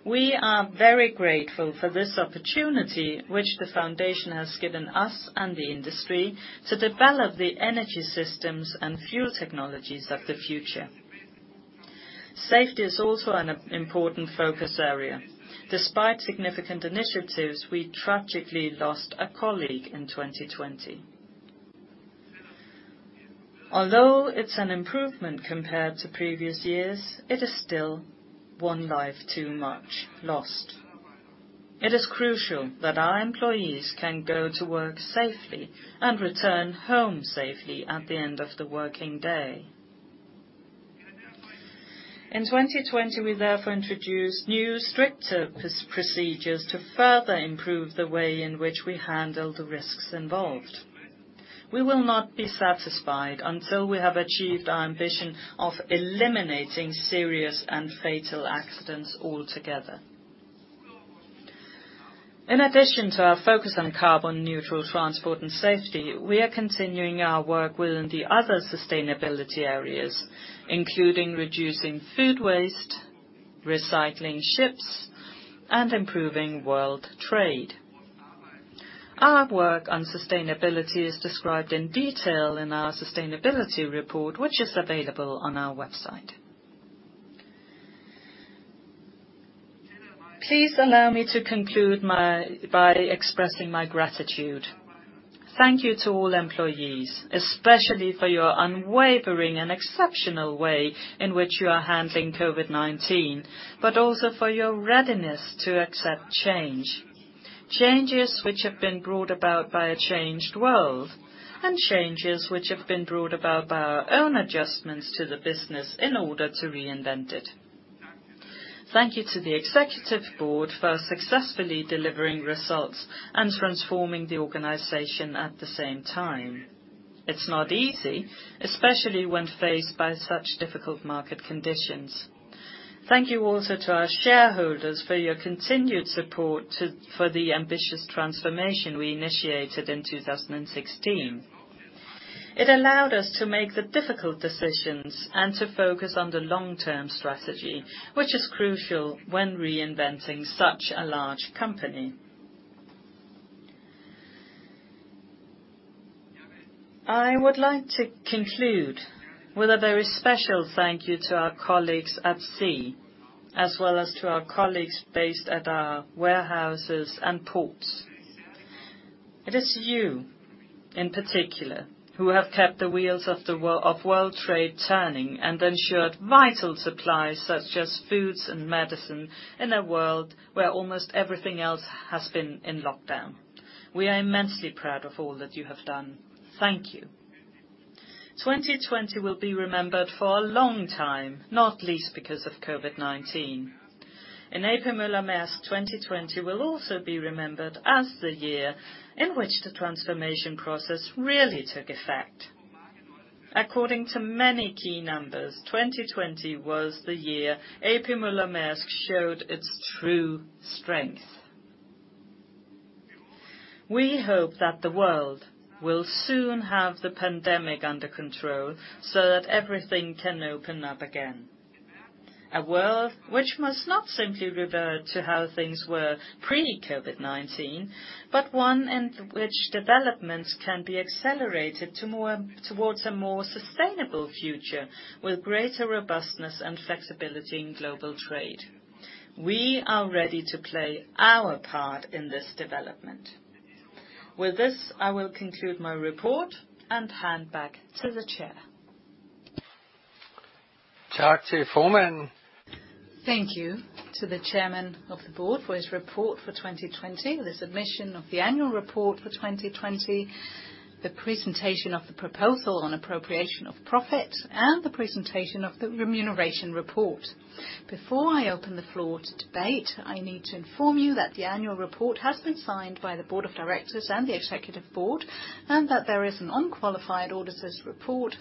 We are very grateful for this opportunity, which the foundation has given us and the industry to develop the energy systems and fuel technologies of the future. Safety is also an important focus area. Despite significant initiatives, we tragically lost a colleague in 2020. Although it's an improvement compared to previous years, it is still one life too much lost. It is crucial that our employees can go to work safely and return home safely at the end of the working day. In 2020, we therefore introduced new stricter procedures to further improve the way in which we handle the risks involved. We will not be satisfied until we have achieved our ambition of eliminating serious and fatal accidents altogether. In addition to our focus on carbon neutral transport and safety, we are continuing our work within the other sustainability areas, including reducing food waste, recycling ships, and improving world trade. Our work on sustainability is described in detail in our sustainability report, which is available on our website. Please allow me to conclude by expressing my gratitude. Thank you to all employees, especially for your unwavering and exceptional way in which you are handling COVID-19, but also for your readiness to accept change, changes which have been brought about by a changed world, and changes which have been brought about by our own adjustments to the business in order to reinvent it. Thank you to the executive board for successfully delivering results and transforming the organization at the same time. It's not easy, especially when faced by such difficult market conditions. Thank you also to our shareholders for your continued support for the ambitious transformation we initiated in 2016. It allowed us to make the difficult decisions and to focus on the long-term strategy, which is crucial when reinventing such a large company. I would like to conclude with a very special thank you to our colleagues at sea, as well as to our colleagues based at our warehouses and ports. It is you, in particular, who have kept the wheels of world trade turning and ensured vital supplies such as foods and medicine in a world where almost everything else has been in lockdown. We are immensely proud of all that you have done. Thank you. 2020 will be remembered for a long time, not least because of COVID-19. In A.P. Møller - Mærsk, 2020 will also be remembered as the year in which the transformation process really took effect. According to many key numbers, 2020 was A.P. Møller - Mærsk showed its true strength. We hope that the world will soon have the pandemic under control so that everything can open up again. A world which must not simply revert to how things were pre-COVID-19, but one in which developments can be accelerated towards a more sustainable future with greater robustness and flexibility in global trade. We are ready to play our part in this development. With this, I will conclude my report and hand back to the chair. Thank you to the chairman of the board for his report for 2020, the submission of the annual report for 2020, the presentation of the proposal on appropriation of profit, and the presentation of the remuneration report. Before I open the floor to debate, I need to inform you that the annual report has been signed by the board of directors and the executive board, and that there is an unqualified auditor's report.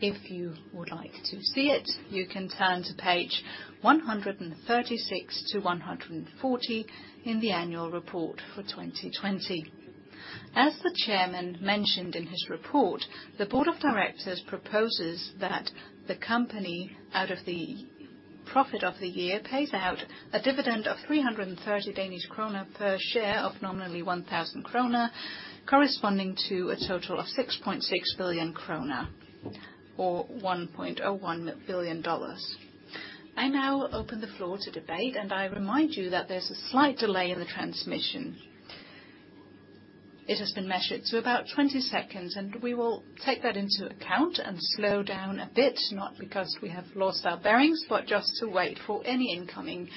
If you would like to see it, you can turn to page 136-140 in the annual report for 2020. As the chairman mentioned in his report, the board of directors proposes that the company, out of the profit of the year, pays out a dividend of 330 Danish kroner per share of nominally 1,000 kroner, corresponding to a total of 6.6 billion kroner, or $1.01 billion. I now open the floor to debate, and I remind you that there's a slight delay in the transmission. It has been measured to about 20 seconds, and we will take that into account and slow down a bit, not because we have lost our bearings, but just to wait for any incoming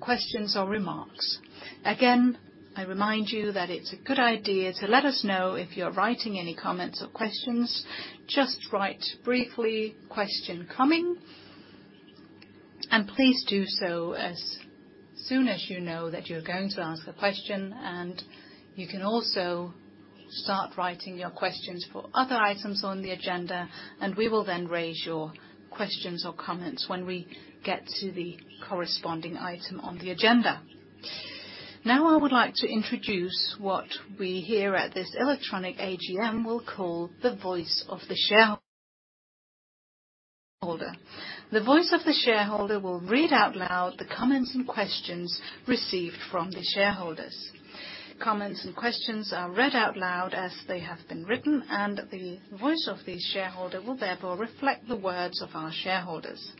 questions or remarks. Again, I remind you that it's a good idea to let us know if you're writing any comments or questions. Just write briefly, "Question coming." Please do so as soon as you know that you're going to ask the question. You can also start writing your questions for other items on the agenda. We will then raise your questions or comments when we get to the corresponding item on the agenda. Now, I would like to introduce what we here at this electronic AGM will call the voice of the shareholder. The voice of the shareholder will read out loud the comments and questions received from the shareholders. Comments and questions are read out loud as they have been written, and the voice of the shareholder will therefore reflect the words of our shareholders.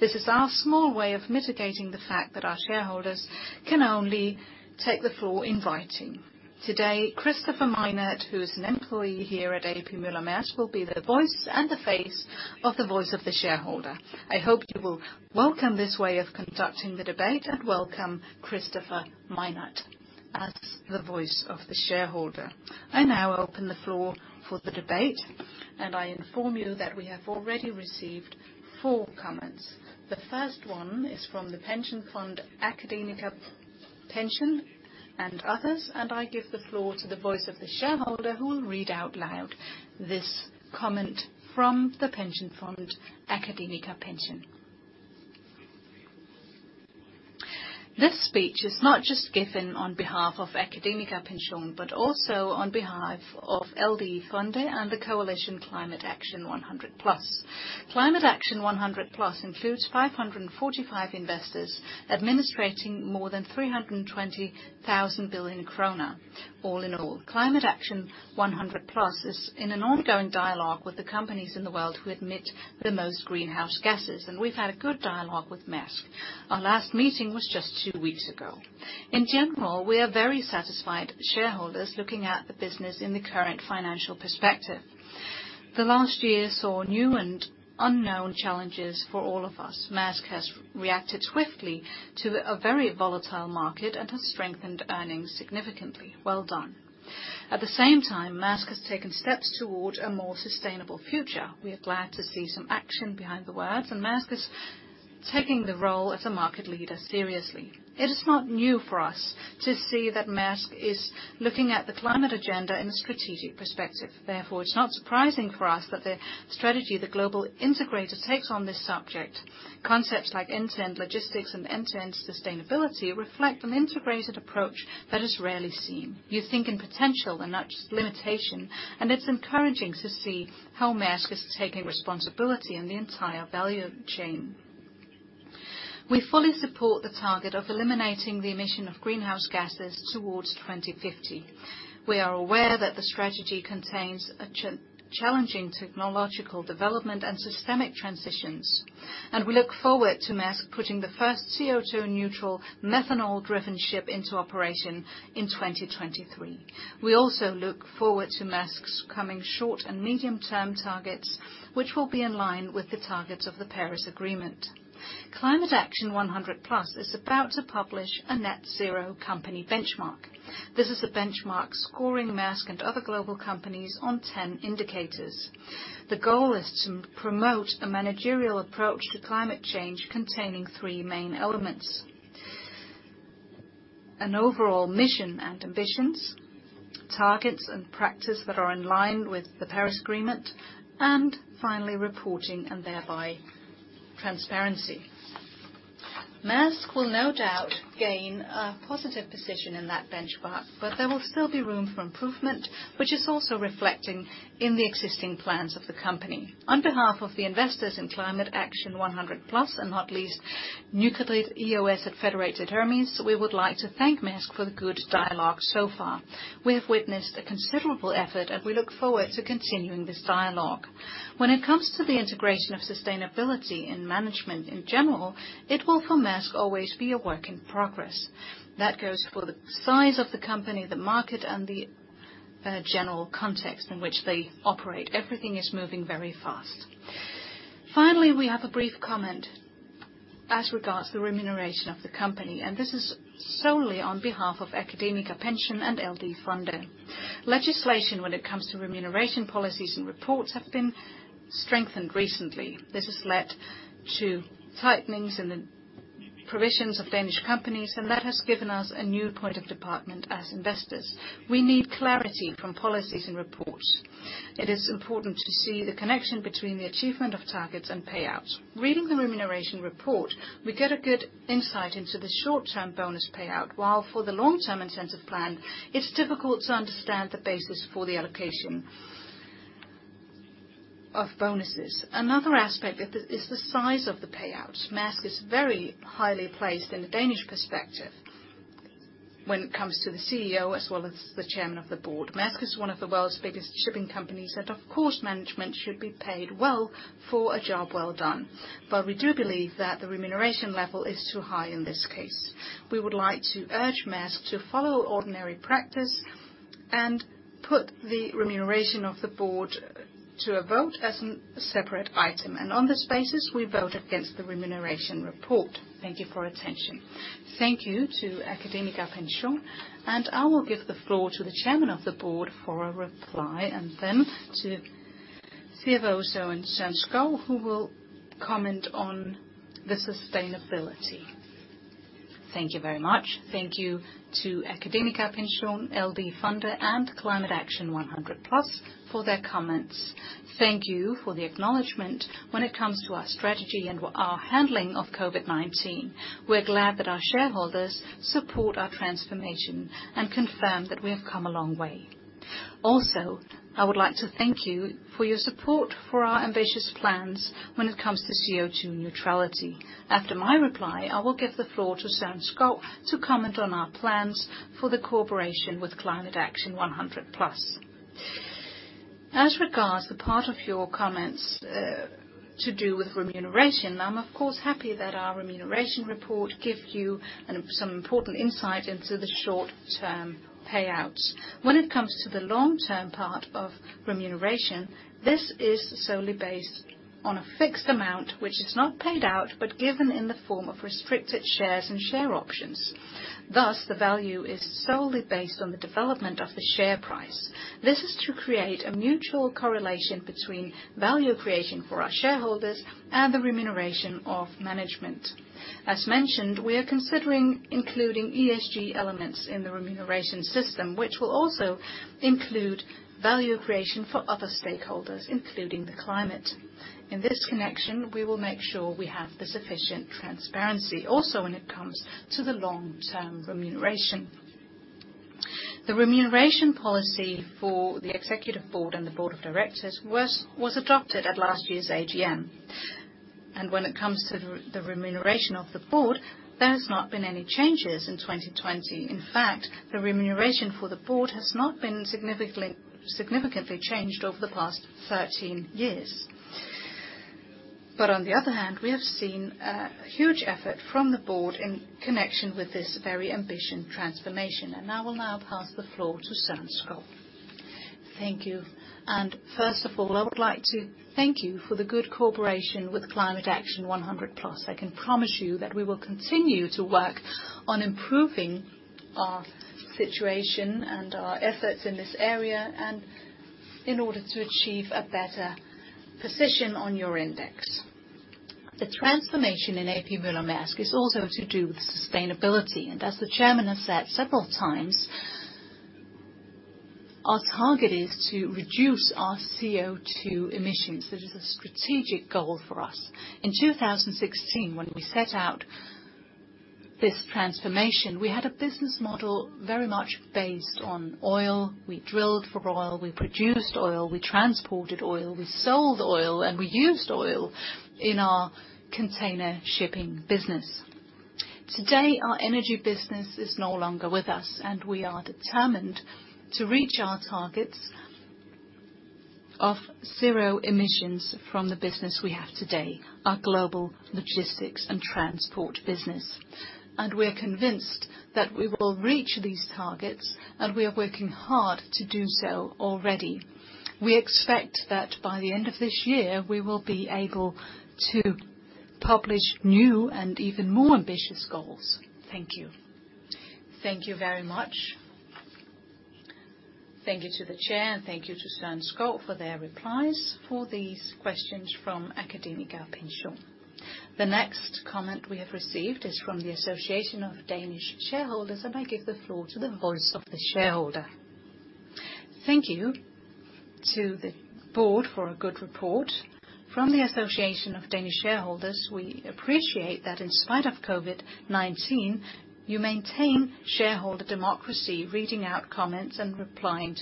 This is our small way of mitigating the fact that our shareholders can only take the floor in writing. Today, Kristoffer Meinert who is an employee A.P. Møller - Mærsk, will be the voice and the face of the voice of the shareholder. I hope you Welcome this way of conducting the debate and welcome Kristoffer Meinert as the voice of the shareholder.I now open the floor for the debate, and I inform you that we have already received four comments. The first one is from the pension fund AkademikerPension and others. I give the floor to the voice of the shareholder who will read out loud this comment from the pension fund, AkademikerPension. This speech is not just given on behalf of AkademikerPension, but also on behalf of LD Fonde and Climate Action 100+. Climate Action 100+ includes 545 investors administrating more than 320,000 billion krone. All in all, Climate Action 100+ is in an ongoing dialogue with the companies in the world who emit the most greenhouse gases. We've had a good dialogue with Mærsk. Our last meeting was just two weeks ago. In general, we are very satisfied shareholders looking at the business in the current financial perspective. The last year saw new and unknown challenges for all of us. Mærsk has reacted swiftly to a very volatile market and has strengthened earnings significantly. Well done. At the same time, Mærsk has taken steps toward a more sustainable future. We are glad to see some action behind the words, and Mærsk is taking the role as a market leader seriously. It is not new for us to see that Mærsk is looking at the climate agenda in a strategic perspective. Therefore, it's not surprising for us that the strategy the global integrator takes on this subject, concepts like end-to-end logistics and end-to-end sustainability, reflect an integrated approach that is rarely seen. You think in potential and not just limitation, and it's encouraging to see how Mærsk is taking responsibility in the entire value chain. We fully support the target of eliminating the emission of greenhouse gases towards 2050. We are aware that the strategy contains a challenging technological development and systemic transitions. We look forward to Mærsk putting the first CO2 neutral methanol-driven ship into operation in 2023. We also look forward to Mærsk's coming short and medium-term targets, which will be in line with the targets of the Paris Agreement. Climate Action 100+ is about to publish a net zero company benchmark. This is a benchmark scoring Mærsk and other global companies on 10 indicators. The goal is to promote a managerial approach to climate change containing three main elements, an overall mission and ambitions, targets and practice that are in line with the Paris Agreement, and finally, reporting and thereby transparency. Mærsk will no doubt gain a positive position in that benchmark. There will still be room for improvement, which is also reflecting in the existing plans of the company. On behalf of the investors in Climate Action 100+, and not least EOS at Federated Hermes, we would like to thank Mærsk for the good dialogue so far. We have witnessed a considerable effort, and we look forward to continuing this dialogue. When it comes to the integration of sustainability in management, in general, it will, for Mærsk, always be a work in progress. That goes for the size of the company, the market, and the general context in which they operate. Everything is moving very fast. Finally, we have a brief comment as regards the remuneration of the company, and this is solely on behalf of AkademikerPension and LD Fonde. Legislation, when it comes to remuneration policies and reports, have been strengthened recently. This has led to tightening in the provisions of Danish companies, and that has given us a new point of departure as investors. We need clarity from policies and reports. It is important to see the connection between the achievement of targets and payouts. Reading the remuneration report, we get a good insight into the short-term bonus payout, while for the long-term incentive plan, it's difficult to understand the basis for the allocation of bonuses. Another aspect is the size of the payouts. Mærsk is very highly placed in a Danish perspective when it comes to the CEO as well as the chairman of the board. Mærsk is one of the world's biggest shipping companies, and of course, management should be paid well for a job well done. We do believe that the remuneration level is too high in this case. We would like to urge Mærsk to follow ordinary practice and put the remuneration of the board to a vote as a separate item. On this basis, we vote against the remuneration report. Thank you for attention. Thank you to AkademikerPension. I will give the floor to the chairman of the board for a reply, then to CFO Søren Skou, who will comment on the sustainability. Thank you very much. Thank you to AkademikerPension, LD Fonde, and Climate Action 100+ for their comments. Thank you for the acknowledgment when it comes to our strategy and our handling of COVID-19. We're glad that our shareholders support our transformation and confirm that we have come a long way. I would like to thank you for your support for our ambitious plans when it comes to CO2 neutrality. After my reply, I will give the floor to Søren Skou to comment on our plans for the cooperation with Climate Action 100+. As regards the part of your comments to do with remuneration, I'm of course happy that our remuneration report give you some important insight into the short-term payouts. When it comes to the long-term part of remuneration, this is solely based on a fixed amount, which is not paid out, but given in the form of restricted shares and share options. Thus, the value is solely based on the development of the share price. This is to create a mutual correlation between value creation for our shareholders and the remuneration of management. As mentioned, we are considering including ESG elements in the remuneration system, which will also include value creation for other stakeholders, including the climate. In this connection, we will make sure we have the sufficient transparency, also when it comes to the long-term remuneration. The remuneration policy for the executive board and the board of directors was adopted at last year's AGM. When it comes to the remuneration of the board, there has not been any changes in 2020. In fact, the remuneration for the board has not been significantly changed over the past 13 years. On the other hand, we have seen a huge effort from the board in connection with this very ambition transformation. I will now pass the floor to Søren Skou. Thank you. First of all, I would like to thank you for the good cooperation with Climate Action 100+. I can promise you that we will continue to work on improving our situation and our efforts in this area, in order to achieve a better position on your index. The A.P. Møller - Mærsk is also to do with sustainability. As the chairman has said several times, our target is to reduce our CO2 emissions. That is a strategic goal for us. In 2016, when we set out this transformation, we had a business model very much based on oil. We drilled for oil, we produced oil, we transported oil, we sold oil, and we used oil in our container shipping business. Today, our energy business is no longer with us, we are determined to reach our targets of zero emissions from the business we have today, our global logistics and transport business. We are convinced that we will reach these targets, and we are working hard to do so already. We expect that by the end of this year, we will be able to publish new and even more ambitious goals. Thank you. Thank you very much. Thank you to the chair, and thank you to Søren Skou for their replies for these questions from AkademikerPension. The next comment we have received is from the Association of Danish Shareholders, and I give the floor to the voice of the shareholder. Thank you to the board for a good report. From the Association of Danish Shareholders, we appreciate that in spite of COVID-19, you maintain shareholder democracy, reading out comments and replying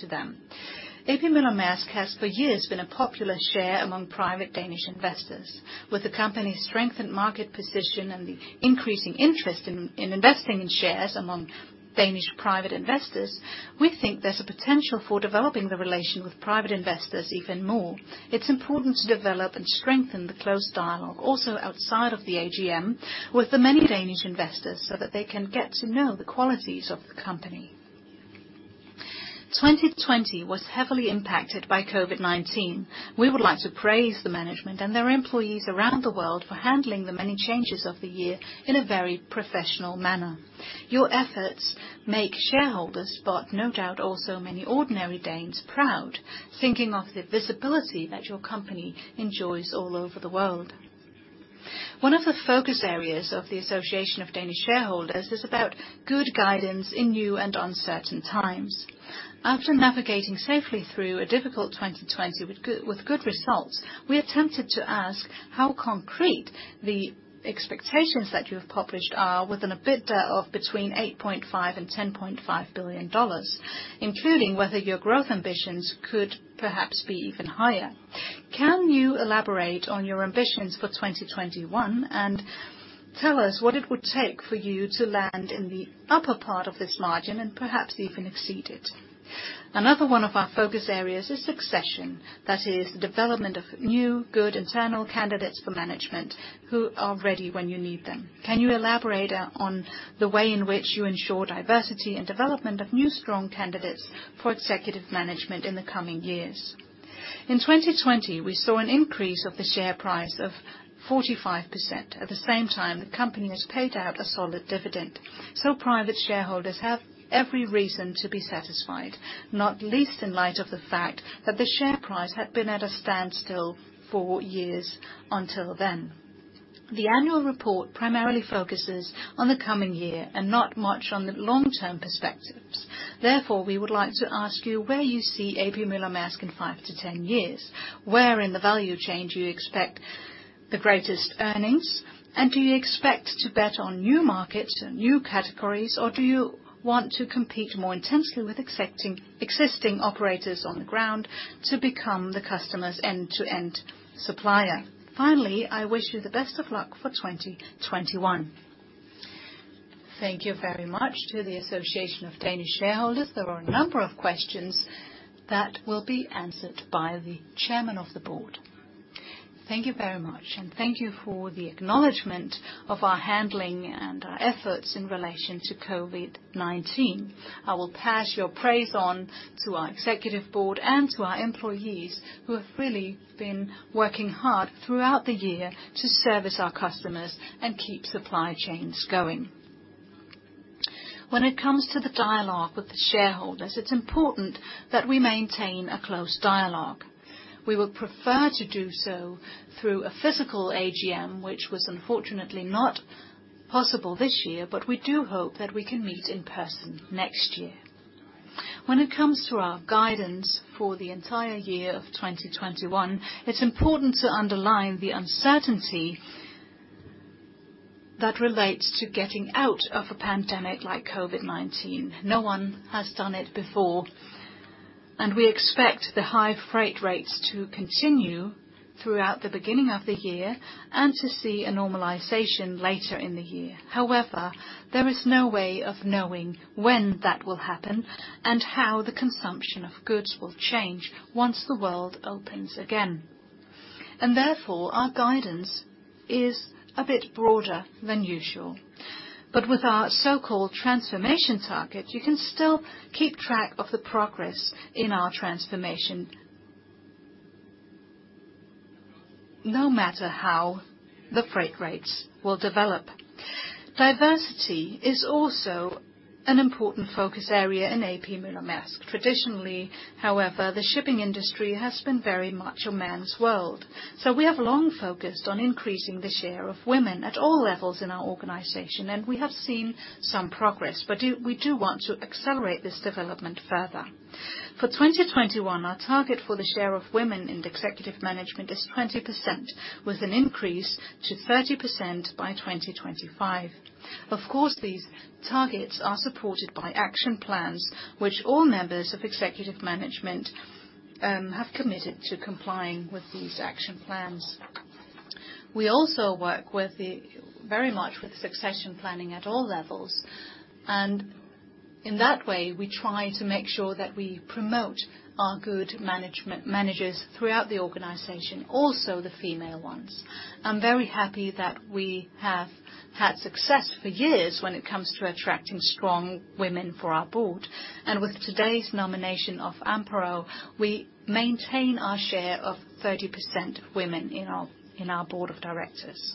A.P. Møller - Mærsk has for years been a popular share among private Danish investors. With the company's strength and market position and the increasing interest in investing in shares among Danish private investors, we think there's a potential for developing the relation with private investors even more. It's important to develop and strengthen the close dialogue, also outside of the AGM, with the many Danish investors, so that they can get to know the qualities of the company. 2020 was heavily impacted by COVID-19. We would like to praise the management and their employees around the world for handling the many changes of the year in a very professional manner. Your efforts make shareholders, but no doubt also many ordinary Danes, proud, thinking of the visibility that your company enjoys all over the world. One of the focus areas of the Association of Danish Shareholders is about good guidance in new and uncertain times. After navigating safely through a difficult 2020 with good results, we are tempted to ask how concrete the expectations that you have published are within an EBITDA of between $8.5 billion and $10.5 billion, including whether your growth ambitions could perhaps be even higher. Can you elaborate on your ambitions for 2021 and tell us what it would take for you to land in the upper part of this margin, and perhaps even exceed it? Another one of our focus areas is succession. That is, the development of new, good internal candidates for management who are ready when you need them. Can you elaborate on the way in which you ensure diversity and development of new, strong candidates for executive management in the coming years? In 2020, we saw an increase of the share price of 45%.At the same time, the company has paid out a solid dividend, so private shareholders have every reason to be satisfied, not least in light of the fact that the share price had been at a standstill for years until then. The annual report primarily focuses on the coming year and not much on the long-term perspectives. Therefore, we would like to ask you where A.P. Møller - Mærsk in 5-10 years. Where in the value chain do you expect the greatest earnings, and do you expect to bet on new markets or new categories, or do you want to compete more intensely with existing operators on the ground to become the customer's end-to-end supplier? Finally, I wish you the best of luck for 2021. Thank you very much to the Association of Danish Shareholders. There are a number of questions that will be answered by the chairman of the board. Thank you very much, and thank you for the acknowledgement of our handling and our efforts in relation to COVID-19. I will pass your praise on to our executive board and to our employees, who have really been working hard throughout the year to service our customers and keep supply chains going. When it comes to the dialogue with the shareholders, it's important that we maintain a close dialogue. We would prefer to do so through a physical AGM, which was unfortunately not possible this year, but we do hope that we can meet in person next year. When it comes to our guidance for the entire year of 2021, it's important to underline the uncertainty that relates to getting out of a pandemic like COVID-19. No one has done it before. We expect the high freight rates to continue throughout the beginning of the year, and to see a normalization later in the year. However, there is no way of knowing when that will happen and how the consumption of goods will change, once the world opens again. Therefore, our guidance is a bit broader than usual. With our so-called transformation target, you can still keep track of the progress in our transformation, no matter how the freight rates will develop. Diversity is also an important focus A.P. Møller - Mærsk. Traditionally, however, the shipping industry has been very much a man's world. We have long focused on increasing the share of women at all levels in our organization, and we have seen some progress, but we do want to accelerate this development further. For 2021, our target for the share of women in Executive Management is 20%, with an increase to 30% by 2025. Of course, these targets are supported by action plans, which all members of Executive Management have committed to complying with these action plans. We also work very much with succession planning at all levels. In that way, we try to make sure that we promote our good managers throughout the organization, also the female ones. I'm very happy that we have had success for years when it comes to attracting strong women for our Board. With today's nomination of Amparo, we maintain our share of 30% women in our Board of Directors.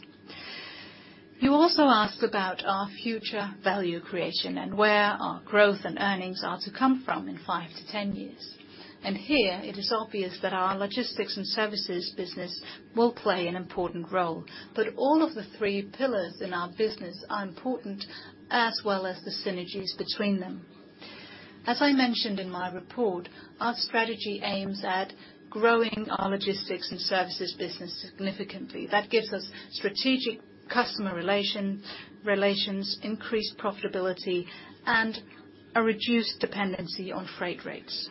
You also asked about our future value creation and where our growth and earnings are to come from in five to 10 years. Here, it is obvious that our logistics and services business will play an important role. All of the three pillars in our business are important, as well as the synergies between them. As I mentioned in my report, our strategy aims at growing our logistics and services business significantly. That gives us strategic customer relations, increased profitability, and a reduced dependency on freight rates.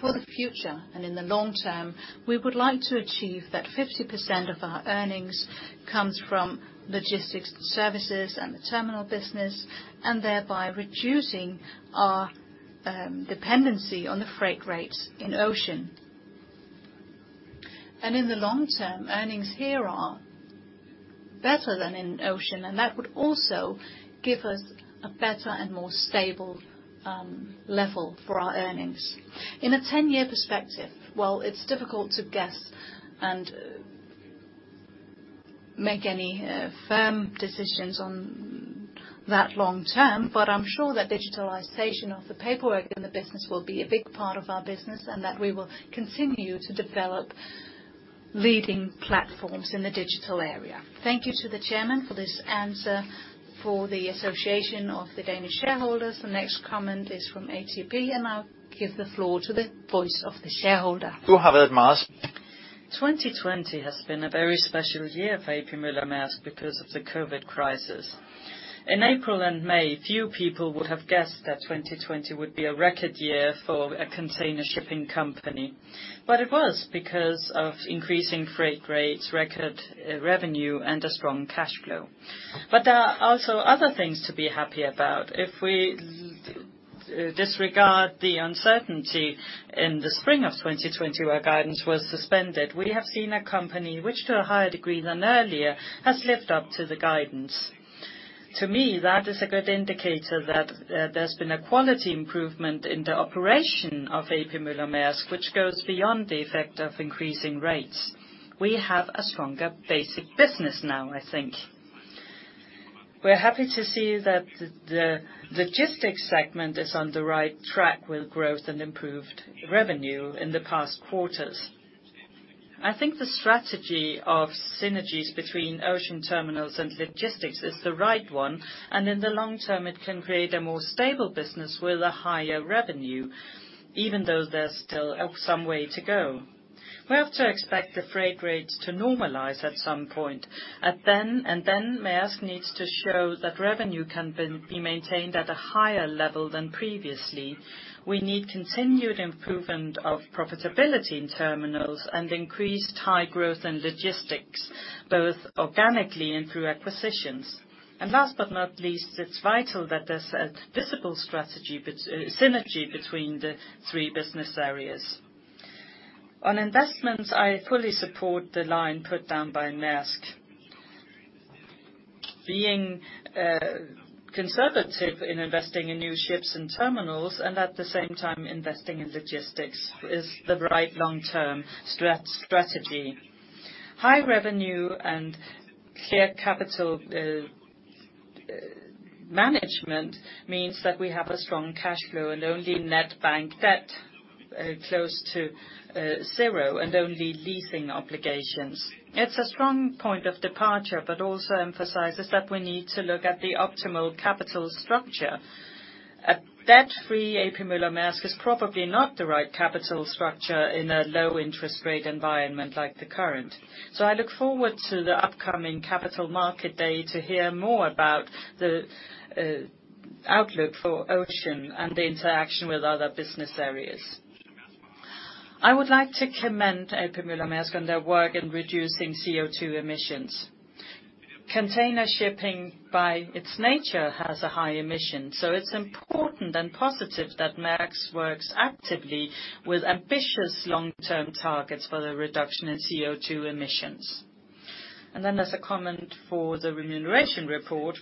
For the future and in the long term, we would like to achieve that 50% of our earnings comes from logistics services and the terminal business, and thereby reducing our dependency on the freight rates in ocean. In the long term, earnings here are better than in ocean, and that would also give us a better and more stable level for our earnings. In a 10-year perspective, while it's difficult to guess and make any firm decisions on that long term, but I'm sure that digitalization of the paperwork in the business will be a big part of our business, and that we will continue to develop leading platforms in the digital area. Thank you to the Chairman for this answer for the Association of Danish Shareholders. The next comment is from ATP. I'll give the floor to the voice of the shareholder. Good afternoon, Mærsk. 2020 has been a very special A.P. Møller - Mærsk because of the COVID crisis. In April and May, few people would have guessed that 2020 would be a record year for a container shipping company. It was, because of increasing freight rates, record revenue, and a strong cash flow. There are also other things to be happy about. If we disregard the uncertainty in the spring of 2020, where guidance was suspended, we have seen a company which, to a higher degree than earlier, has lived up to the guidance. To me, that is a good indicator that there's been a quality improvement in the A.P. Møller - Mærsk, which goes beyond the effect of increasing rates. We have a stronger basic business now, I think. We're happy to see that the logistics segment is on the right track with growth and improved revenue in the past quarters. I think the strategy of synergies between ocean terminals and logistics is the right one, and in the long term, it can create a more stable business with a higher revenue, even though there's still some way to go. We have to expect the freight rates to normalize at some point. Mærsk needs to show that revenue can be maintained at a higher level than previously. We need continued improvement of profitability in terminals and increased high growth in logistics, both organically and through acquisitions. Last but not least, it's vital that there's a visible synergy between the three business areas. On investments, I fully support the line put down by Mærsk. Being conservative in investing in new ships and terminals, and at the same time investing in logistics, is the right long-term strategy. High revenue and clear capital management means that we have a strong cash flow and only net bank debt close to zero, and only leasing obligations. It's a strong point of departure, but also emphasizes that we need to look at the optimal capital structure. A debt-free A.P. Møller - Mærsk is probably not the right capital structure in a low interest rate environment like the current. I look forward to the upcoming capital market day to hear more about the outlook for ocean and the interaction with other business areas. I would like to commend A.P. Møller - Mærsk on their work in reducing CO2 emissions. Container shipping by its nature has a high emission, so it's important and positive that Mærsk works actively with ambitious long-term targets for the reduction in CO2 emissions. As a comment for the remuneration report,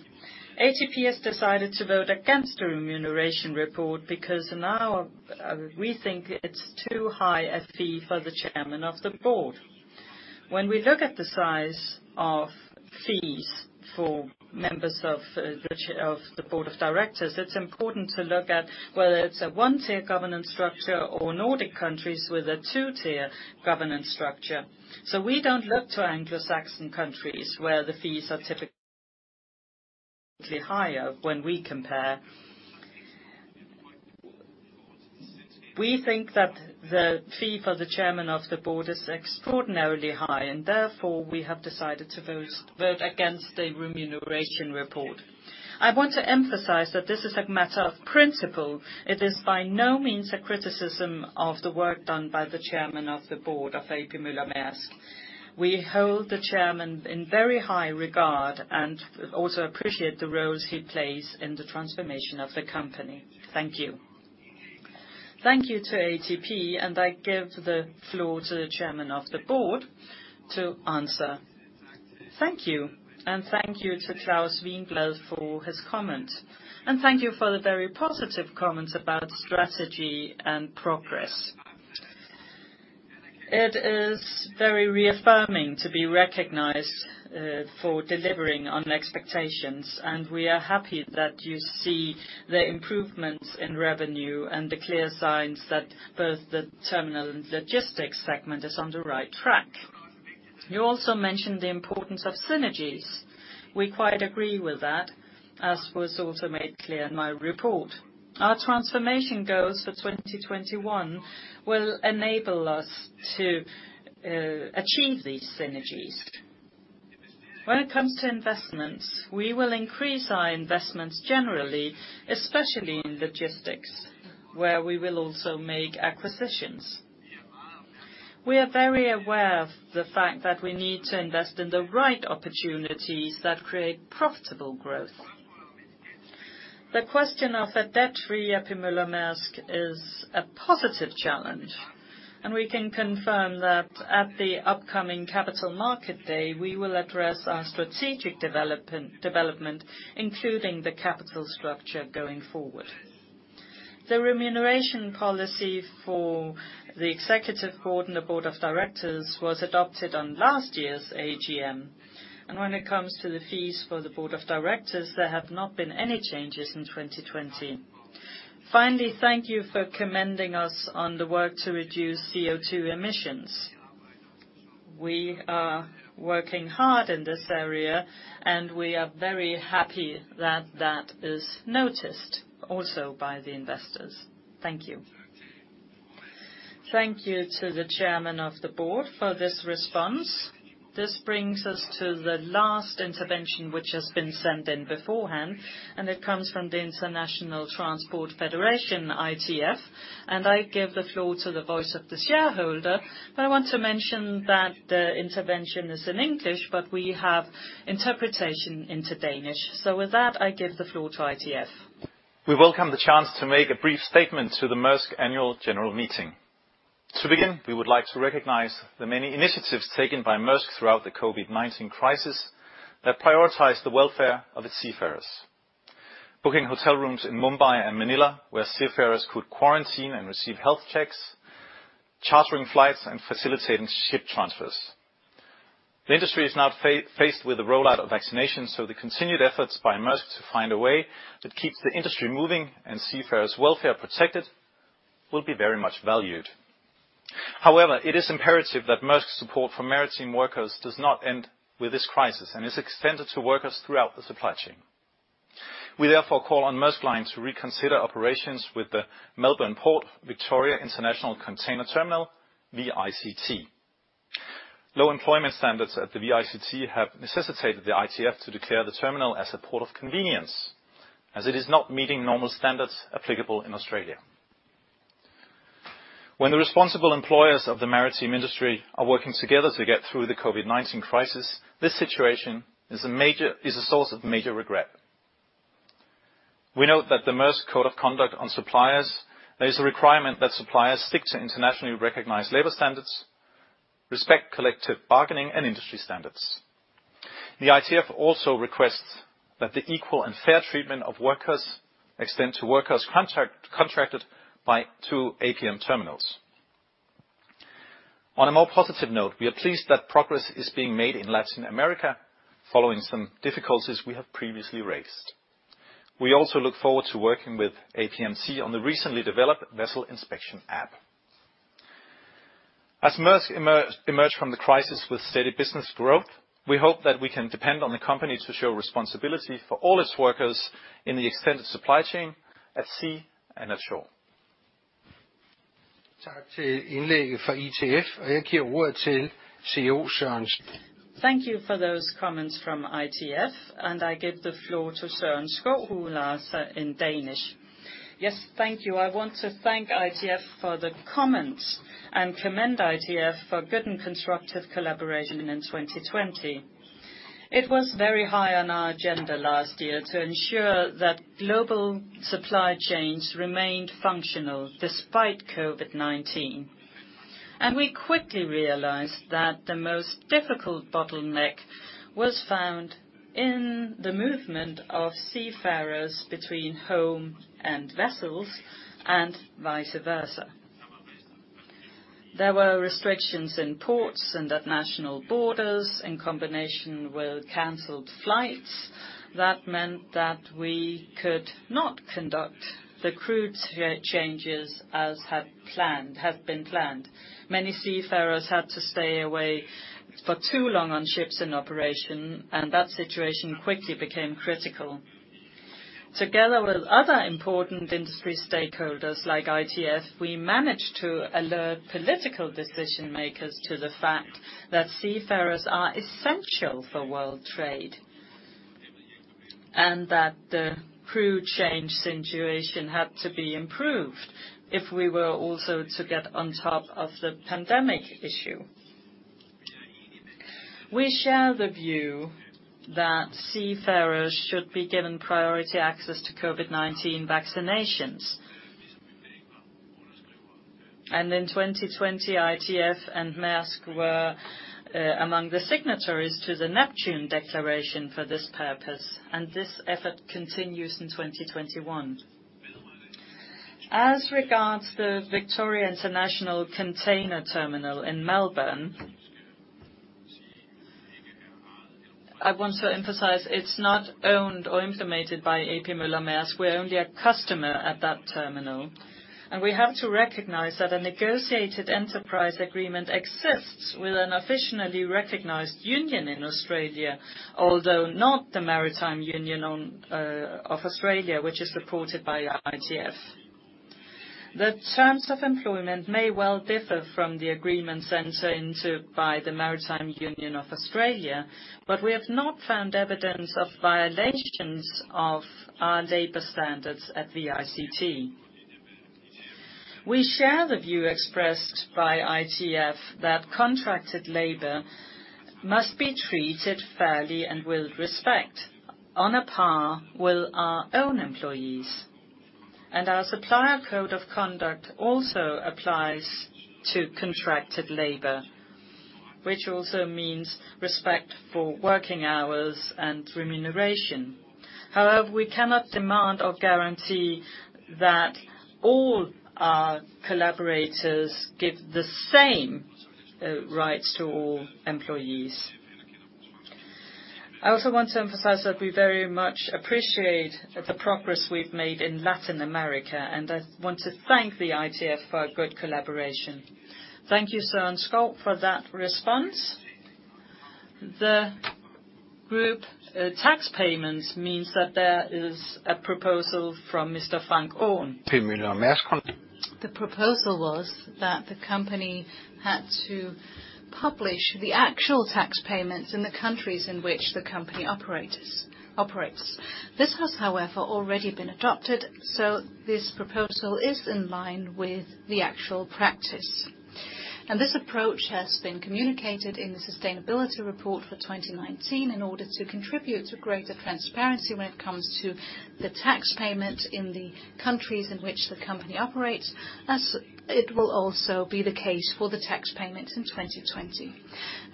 ATP has decided to vote against the remuneration report because now we think it's too high a fee for the chairman of the board. When we look at the size of fees for members of the board of directors, it's important to look at whether it's a one-tier governance structure or Nordic countries with a two-tier governance structure. We don't look to Anglo-Saxon countries where the fees are typically higher when we compare. We think that the fee for the chairman of the board is extraordinarily high, and therefore, we have decided to vote against the remuneration report. I want to emphasize that this is a matter of principle. It is by no means a criticism of the work done by the chairman of the A.P. Møller - Mærsk. We hold the chairman in very high regard and also appreciate the roles he plays in the transformation of the company. Thank you. Thank you to ATP. I give the floor to the chairman of the board to answer. Thank you. Thank you to Claus Wiinblad for his comments. Thank you for the very positive comments about strategy and progress. It is very reaffirming to be recognized for delivering on expectations, and we are happy that you see the improvements in revenue and the clear signs that both the terminal and logistics segment is on the right track. You also mentioned the importance of synergies. We quite agree with that, as was also made clear in my report. Our transformation goals for 2021 will enable us to achieve these synergies. When it comes to investments, we will increase our investments generally, especially in logistics, where we will also make acquisitions. We are very aware of the fact that we need to invest in the right opportunities that create profitable growth. The question of A.P. Møller - Mærsk is a positive challenge, and we can confirm that at the upcoming Capital Market Day, we will address our strategic development, including the capital structure going forward. The remuneration policy for the executive board and the board of directors was adopted on last year's AGM. When it comes to the fees for the board of directors, there have not been any changes in 2020. Finally, thank you for commending us on the work to reduce CO2 emissions. We are working hard in this area, and we are very happy that that is noticed also by the investors. Thank you. Thank you to the chairman of the board for this response. This brings us to the last intervention, which has been sent in beforehand, and it comes from the International Transport Workers' Federation, ITF. I give the floor to the voice of the shareholder. I want to mention that the intervention is in English, but we have interpretation into Danish. With that, I give the floor to ITF. We welcome the chance to make a brief statement to the Mærsk annual general meeting. To begin, we would like to recognize the many initiatives taken by Mærsk throughout the COVID-19 crisis that prioritized the welfare of its seafarers. Booking hotel rooms in Mumbai and Manila, where seafarers could quarantine and receive health checks, chartering flights, and facilitating ship transfers. The industry is now faced with the rollout of vaccinations, the continued efforts by Mærsk to find a way that keeps the industry moving and seafarers' welfare protected will be very much valued. However, it is imperative that Mærsk support for maritime workers does not end with this crisis and is extended to workers throughout the supply chain. We therefore call on Mærsk Line to reconsider operations with the Melbourne Port, Victoria International Container Terminal, VICT. Low employment standards at the VICT have necessitated the ITF to declare the terminal as a port of convenience, as it is not meeting normal standards applicable in Australia. When the responsible employers of the maritime industry are working together to get through the Covid-19 crisis, this situation is a source of major regret. We note that the Mærsk Code of Conduct on suppliers, there is a requirement that suppliers stick to internationally recognized labor standards, respect collective bargaining and industry standards. The ITF also requests that the equal and fair treatment of workers extend to workers contracted by two APM Terminals. On a more positive note, we are pleased that progress is being made in Latin America following some difficulties we have previously raised. We also look forward to working with APM Terminals on the recently developed vessel inspection app. As Mærsk emerge from the crisis with steady business growth, we hope that we can depend on the company to show responsibility for all its workers in the extended supply chain, at sea and at shore. Thank you for those comments from ITF. I give the floor to Søren Skou, who will answer in Danish. Yes, thank you. I want to thank ITF for the comments and commend ITF for good and constructive collaboration in 2020. It was very high on our agenda last year to ensure that global supply chains remained functional despite Covid-19. We quickly realized that the most difficult bottleneck was found in the movement of seafarers between home and vessels, and vice versa. There were restrictions in ports and at national borders, in combination with canceled flights. That meant that we could not conduct the crew changes as had been planned. Many seafarers had to stay away for too long on ships in operation. That situation quickly became critical. Together with other important industry stakeholders like ITF, we managed to alert political decision-makers to the fact that seafarers are essential for world trade, and that the crew change situation had to be improved if we were also to get on top of the pandemic issue. We share the view that seafarers should be given priority access to Covid-19 vaccinations. In 2020, ITF and Mærsk were among the signatories to the Neptune Declaration for this purpose, and this effort continues in 2021. As regards the Victoria International Container Terminal in Melbourne, I want to emphasize it's not owned or A.P. Møller - Mærsk. We're only a customer at that terminal, and we have to recognize that a negotiated enterprise agreement exists with an officially recognized union in Australia, although not the Maritime Union of Australia, which is supported by ITF. The terms of employment may well differ from the agreements entered into by the Maritime Union of Australia. We have not found evidence of violations of our labor standards at VICT. We share the view expressed by ITF that contracted labor must be treated fairly and with respect on a par with our own employees. Our supplier code of conduct also applies to contracted labor, which also means respect for working hours and remuneration. However, we cannot demand or guarantee that all our collaborators give the same rights to all employees. I also want to emphasize that we very much appreciate the progress we've made in Latin America. I want to thank the ITF for a good collaboration. Thank you, Søren Skou, for that response. The group tax payments means that there is a proposal from Mr. Frank Aaen. The proposal was that the company had to publish the actual tax payments in the countries in which the company operates. This has, however, already been adopted, so this proposal is in line with the actual practice. This approach has been communicated in the sustainability report for 2019 in order to contribute to greater transparency when it comes to the tax payment in the countries in which the company operates, as it will also be the case for the tax payments in 2020.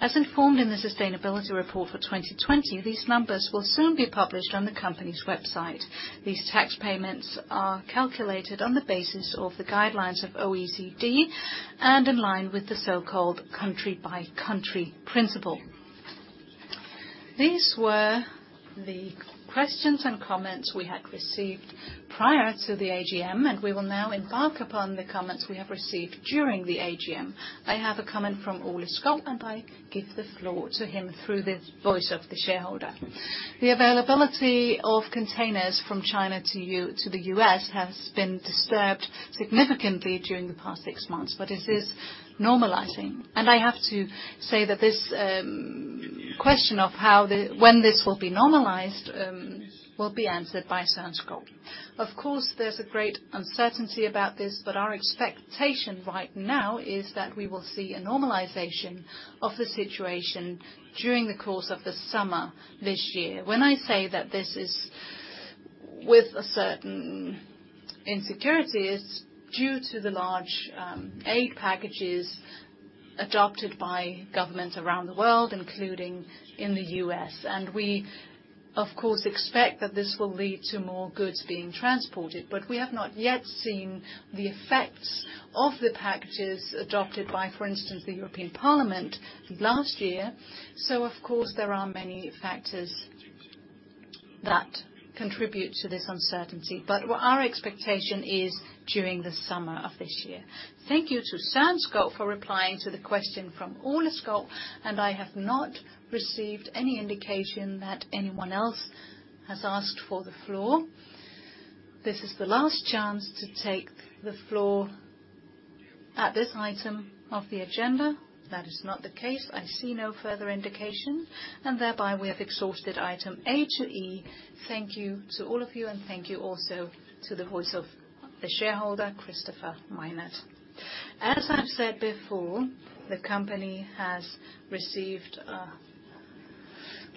As informed in the sustainability report for 2020, these numbers will soon be published on the company's website. These tax payments are calculated on the basis of the guidelines of OECD and in line with the so-called country by country principle. These were the questions and comments we had received prior to the AGM, and we will now embark upon the comments we have received during the AGM. I have a comment from Ole Skou, and I give the floor to him through the voice of the shareholder. The availability of containers from China to the U.S. has been disturbed significantly during the past six months, but it is normalizing. I have to say that this question of when this will be normalized Will be answered by Søren Skou. Of course, there's a great uncertainty about this, but our expectation right now is that we will see a normalization of the situation during the course of the summer this year. When I say that this is with a certain insecurity, it's due to the large aid packages adopted by governments around the world, including in the U.S. We, of course, expect that this will lead to more goods being transported, but we have not yet seen the effects of the packages adopted by, for instance, the European Parliament last year. Of course, there are many factors that contribute to this uncertainty. What our expectation is during the summer of this year. Thank you to Søren Skou for replying to the question from Ole Skou. I have not received any indication that anyone else has asked for the floor. This is the last chance to take the floor at this item of the agenda. That is not the case. I see no further indication, and thereby we have exhausted item A to E. Thank you to all of you, and thank you also to the voice of the shareholder, Kristoffer Meinert. As I've said before, the company has received a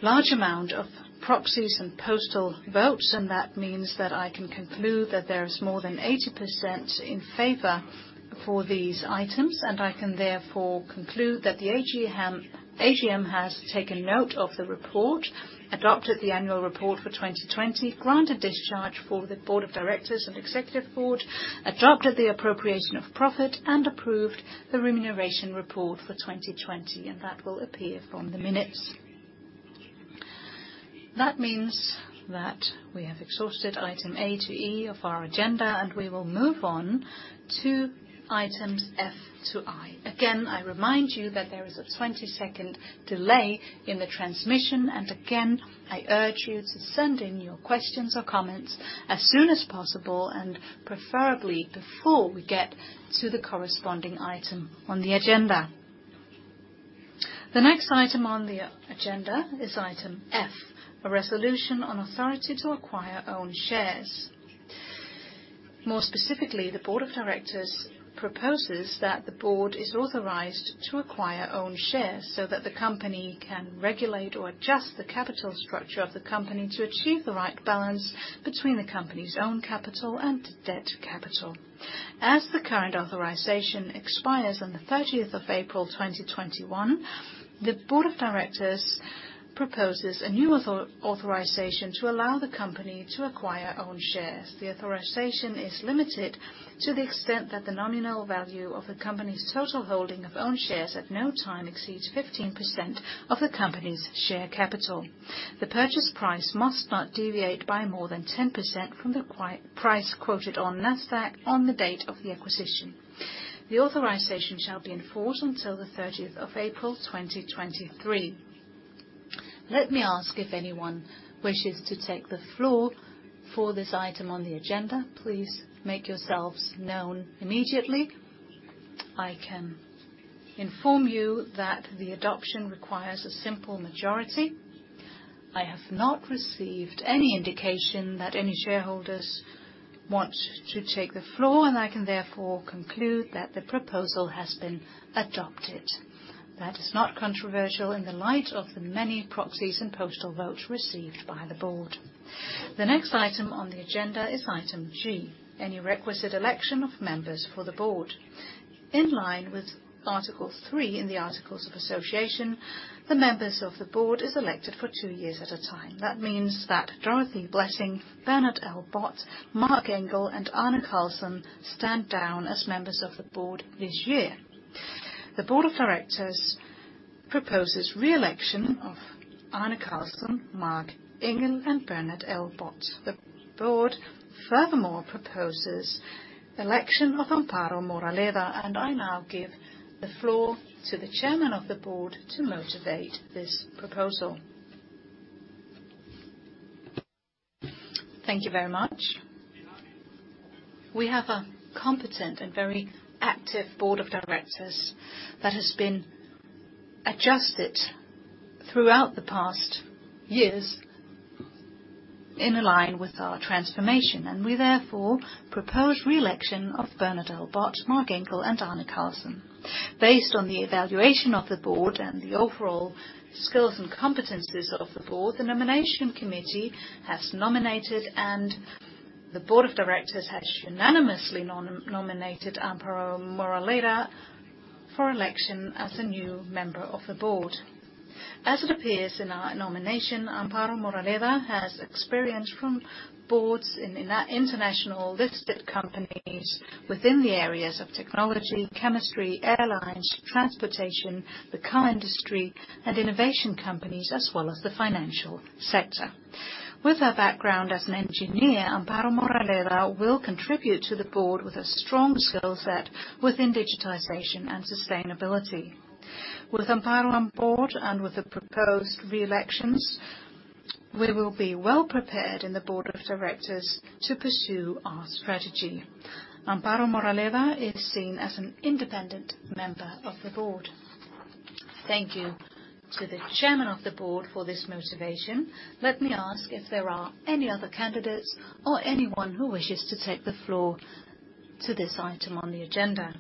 large amount of proxies and postal votes, and that means that I can conclude that there is more than 80% in favor for these items. I can therefore conclude that the AGM has taken note of the report, adopted the annual report for 2020, granted discharge for the Board of Directors and Executive Board, adopted the appropriation of profit, and approved the remuneration report for 2020, and that will appear from the minutes. That means that we have exhausted item A to E of our agenda, and we will move on to items F to I. Again, I remind you that there is a 20-second delay in the transmission, and again, I urge you to send in your questions or comments as soon as possible, and preferably before we get to the corresponding item on the agenda. The next item on the agenda is item F, a resolution on authority to acquire own shares. More specifically, the board of directors proposes that the board is authorized to acquire own shares so that the company can regulate or adjust the capital structure of the company to achieve the right balance between the company's own capital and debt capital. As the current authorization expires on the 30th of April, 2021, the board of directors proposes a new authorization to allow the company to acquire own shares. The authorization is limited to the extent that the nominal value of the company's total holding of own shares at no time exceeds 15% of the company's share capital. The purchase price must not deviate by more than 10% from the price quoted on Nasdaq on the date of the acquisition. The authorization shall be in force until the 30th of April, 2023. Let me ask if anyone wishes to take the floor for this item on the agenda. Please make yourselves known immediately. I can inform you that the adoption requires a simple majority. I have not received any indication that any shareholders want to take the floor, and I can therefore conclude that the proposal has been adopted. That is not controversial in the light of the many proxies and postal votes received by the board. The next item on the agenda is item G, any requisite election of members for the board. In line with Article three in the articles of association, the members of the board is elected for two years at a time. That means that Dorothee Blessing, Bernard L. Bot, Marc Engel, and Arne Karlsson stand down as members of the board this year. The board of directors proposes re-election of Arne Karlsson, Marc Engel, and Bernard L. Bot. I now give the floor to the Chairman of the Board to motivate this proposal. Thank you very much. We have a competent and very active board of directors that has been adjusted throughout the past years in a line with our transformation, and we therefore propose re-election of Bernard L. Bot, Marc Engel, and Arne Karlsson. Based on the evaluation of the board and the overall skills and competencies of the board, the nomination committee has nominated, and the board of directors has unanimously nominated Amparo Moraleda for election as a new member of the board. As it appears in our nomination, Amparo Moraleda has experience from boards in international listed companies within the areas of technology, chemistry, airlines, transportation, the car industry, and innovation companies, as well as the financial sector. With her background as an engineer, Amparo Moraleda will contribute to the board with a strong skill set within digitization and sustainability. With Amparo on board and with the proposed re-elections, we will be well prepared in the board of directors to pursue our strategy. Amparo Moraleda is seen as an independent member of the board. Thank you to the chairman of the board for this motivation. Let me ask if there are any other candidates or anyone who wishes to take the floor to this item on the agenda.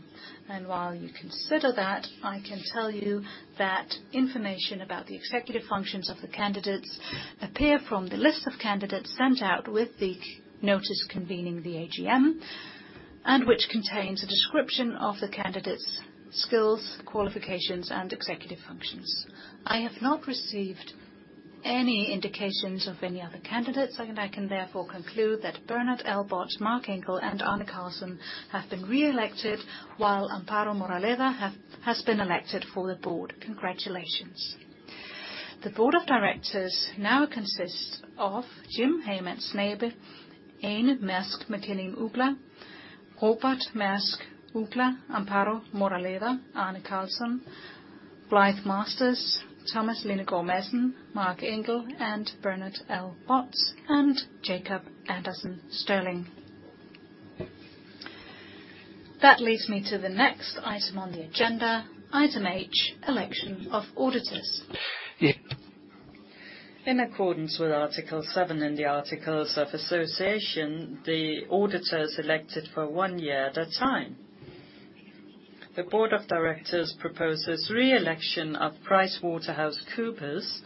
While you consider that, I can tell you that information about the executive functions of the candidates appear from the list of candidates sent out with the notice convening the AGM, which contains a description of the candidates' skills, qualifications, and executive functions. I have not received any indications of any other candidates, I can therefore conclude that Bernard L. Bot, Marc Engel, and Arne Karlsson have been reelected, while Amparo Moraleda has been elected for the board. Congratulations. The board of directors now consists of Jim Hagemann Snabe, Ane Mærsk Mc-Kinney Uggla, Robert Mærsk Uggla, Amparo Moraleda, Arne Karlsson, Blythe Masters, Thomas Lindegaard Madsen, Marc Engel, and Bernard L. Bot. Bernard L. Bot and Jacob Andersen Sterling. That leads me to the next item on the agenda, item H, election of auditors. In accordance with Article Seven in the Articles of Association, the auditor is elected for one year at a time. The board of directors proposes reelection of PricewaterhouseCoopers.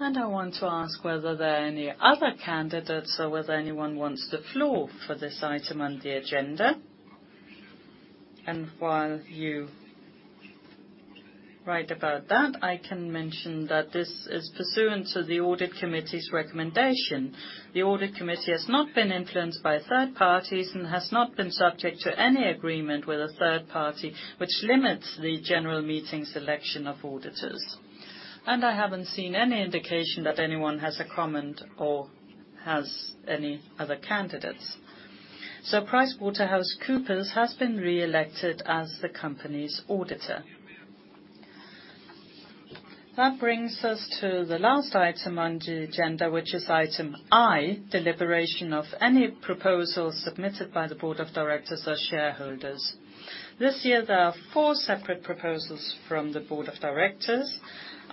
I want to ask whether there are any other candidates, or whether anyone wants the floor for this item on the agenda. While you write about that, I can mention that this is pursuant to the audit committee's recommendation. The audit committee has not been influenced by third parties and has not been subject to any agreement with a third party, which limits the general meeting's election of auditors. I haven't seen any indication that anyone has a comment or has any other candidates. PricewaterhouseCoopers has been reelected as the company's auditor. That brings us to the last item on the agenda, which is item I, deliberation of any proposals submitted by the board of directors or shareholders. This year, there are four separate proposals from the board of directors.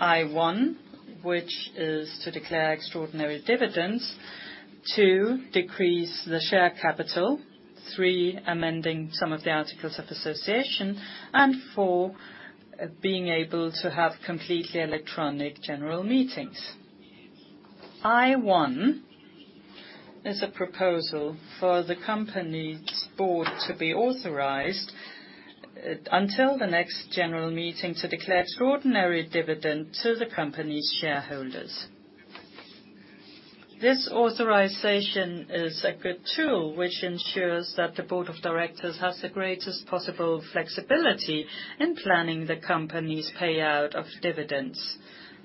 I1, which is to declare extraordinary dividends, two, decrease the share capital, three, amending some of the articles of association, and four, being able to have completely electronic general meetings. I1 is a proposal for the company's board to be authorized until the next general meeting to declare extraordinary dividend to the company's shareholders. This authorization is a good tool which ensures that the board of directors has the greatest possible flexibility in planning the company's payout of dividends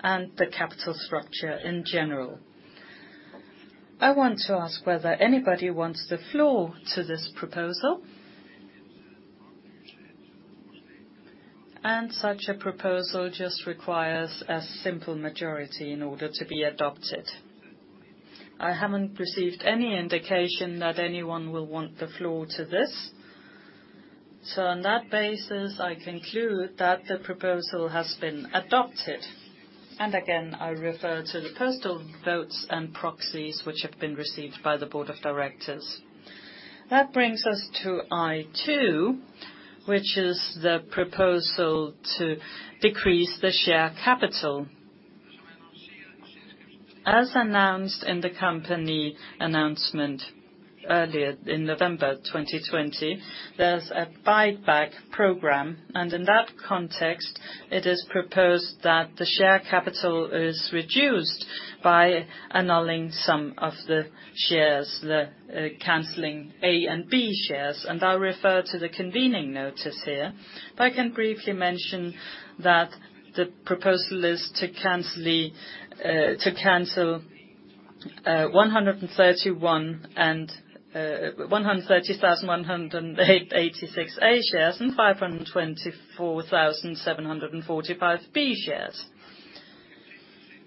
and the capital structure in general. I want to ask whether anybody wants the floor to this proposal. Such a proposal just requires a simple majority in order to be adopted. I haven't received any indication that anyone will want the floor to this. On that basis, I conclude that the proposal has been adopted. Again, I refer to the postal votes and proxies, which have been received by the board of directors. That brings us to I2, which is the proposal to decrease the share capital. As announced in the company announcement earlier in November 2020, there's a buyback program, and in that context, it is proposed that the share capital is reduced by annulling some of the shares, the canceling A and B shares. I refer to the convening notice here. If I can briefly mention that the proposal is to cancel 130,186 A shares and 524,745 B shares.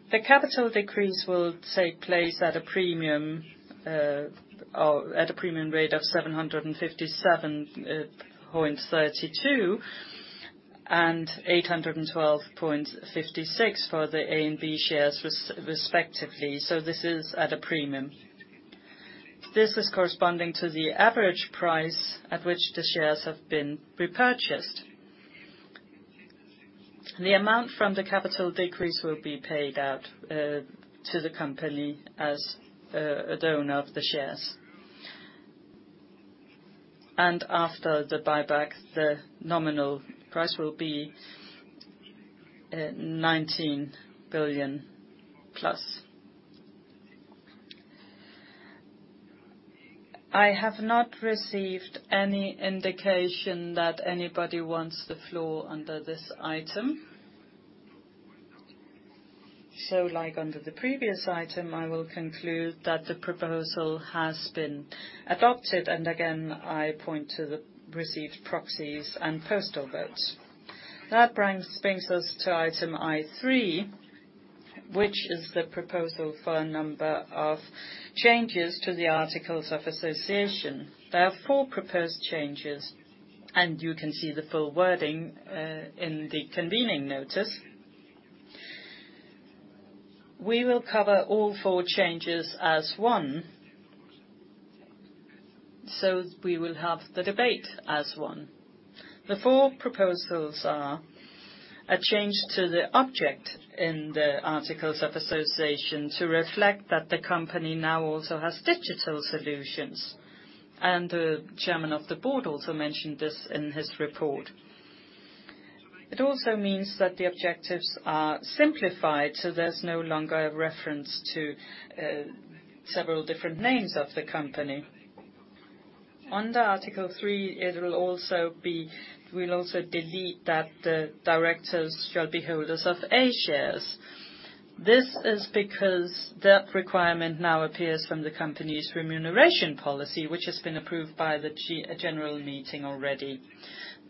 The capital decrease will take place at a premium rate of 757.32 and 812.56 for the A and B shares respectively. This is at a premium. This is corresponding to the average price at which the shares have been repurchased. The amount from the capital decrease will be paid out to the company as a owner of the shares. After the buyback, the nominal price will be DKK 19 billion plus. I have not received any indication that anybody wants the floor under this item. Like under the previous item, I will conclude that the proposal has been adopted, and again, I point to the received proxies and postal votes. That brings us to item I3, which is the proposal for a number of changes to the articles of association. There are four proposed changes, and you can see the full wording in the convening notice. We will cover all four changes as one. We will have the debate as one. The four proposals are: a change to the object in the articles of association to reflect that the company now also has digital solutions. The chairman of the board also mentioned this in his report. It also means that the objectives are simplified, so there's no longer a reference to several different names of the company. Under Article 3, we'll also delete that the directors shall be holders of A shares. This is because that requirement now appears from the company's remuneration policy, which has been approved by the general meeting already.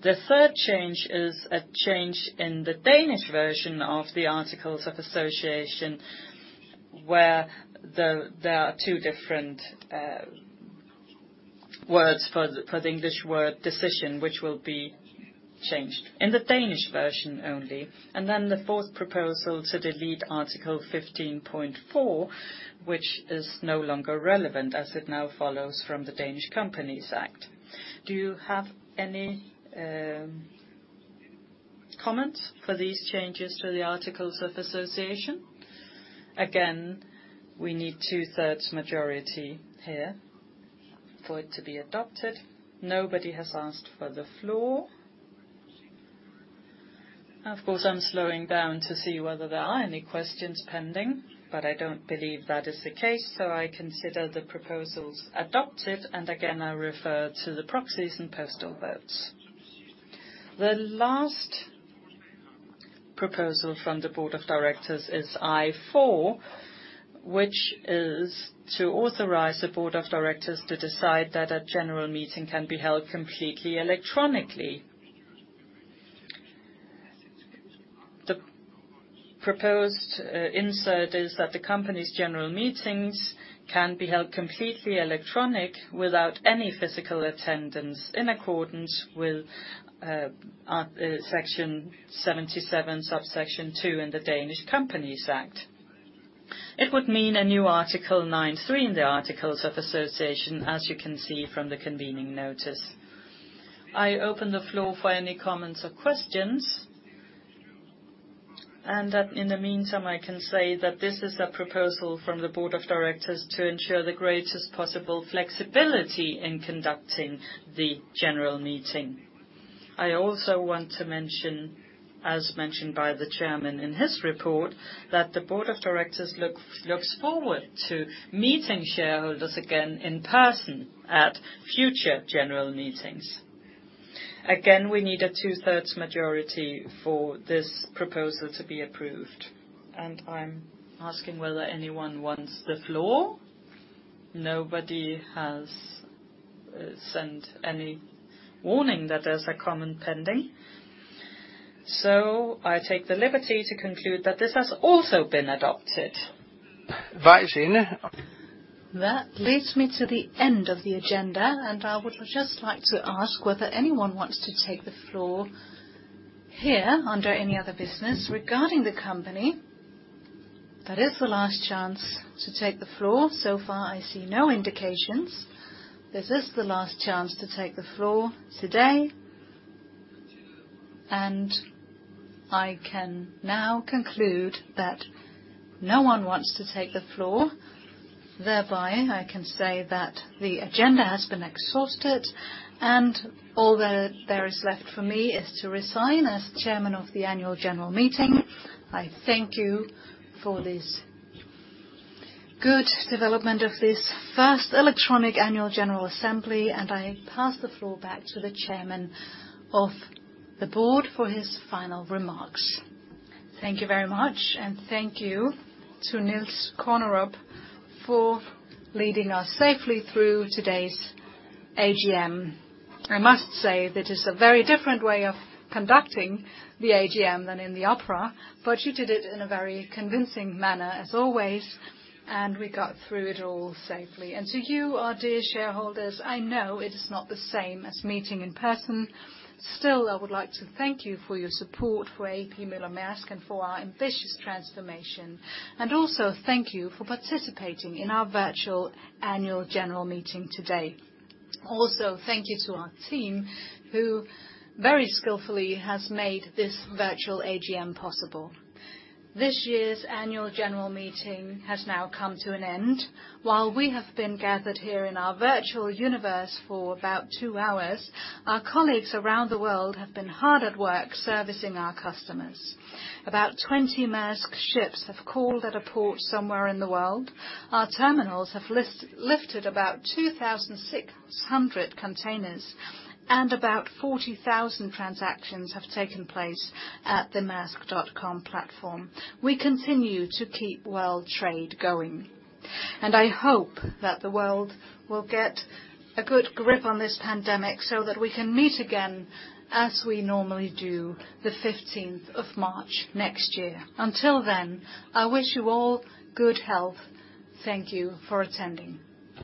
The third change is a change in the Danish version of the articles of association, where there are two different words for the English word decision, which will be changed in the Danish version only. The fourth proposal to delete Article 15.4, which is no longer relevant as it now follows from the Danish Companies Act. Do you have any comments for these changes to the articles of association? Again, we need two thirds majority here for it to be adopted. Nobody has asked for the floor. Of course, I'm slowing down to see whether there are any questions pending, but I don't believe that is the case, so I consider the proposals adopted, and again, I refer to the proxies and postal votes. The last proposal from the Board of Directors is I4, which is to authorize the Board of Directors to decide that a general meeting can be held completely electronically. The proposed insert is that the company's general meetings can be held completely electronic without any physical attendance, in accordance with Section 77, subsection 2 in the Danish Companies Act. It would mean a new Article 9 (3) in the articles of association, as you can see from the convening notice. I open the floor for any comments or questions. In the meantime, I can say that this is a proposal from the board of directors to ensure the greatest possible flexibility in conducting the general meeting. I also want to mention, as mentioned by the chairman in his report, that the board of directors looks forward to meeting shareholders again in person at future general meetings. Again, we need a two-thirds majority for this proposal to be approved, and I'm asking whether anyone wants the floor. Nobody has sent any warning that there's a comment pending. I take the liberty to conclude that this has also been adopted. Right. That leads me to the end of the agenda, and I would just like to ask whether anyone wants to take the floor here under any other business regarding the company. That is the last chance to take the floor. So far, I see no indications. This is the last chance to take the floor today. I can now conclude that no one wants to take the floor. Thereby, I can say that the agenda has been exhausted, and all that there is left for me is to resign as chairman of the annual general meeting. I thank you for this good development of this first electronic annual general assembly, and I pass the floor back to the chairman of the board for his final remarks. Thank you very much, thank you to Niels Kornerup for leading us safely through today's AGM. I must say that is a very different way of conducting the AGM than in the Opera, but you did it in a very convincing manner as always, and we got through it all safely. To you, our dear shareholders, I know it is not the same as meeting in person. Still, I would like to thank you for your support for A.P. Møller - Mærsk and for our ambitious transformation. Also thank you for participating in our virtual annual general meeting today. Also, thank you to our team, who very skillfully has made this virtual AGM possible. This year's annual general meeting has now come to an end. While we have been gathered here in our virtual universe for about two hours, our colleagues around the world have been hard at work servicing our customers. About 20 Mærsk ships have called at a port somewhere in the world. Our terminals have lifted about 2,600 containers, and about 40,000 transactions have taken place at the maersk.com platform. We continue to keep world trade going. I hope that the world will get a good grip on this pandemic so that we can meet again as we normally do the 15th of March next year. Until then, I wish you all good health. Thank you for attending.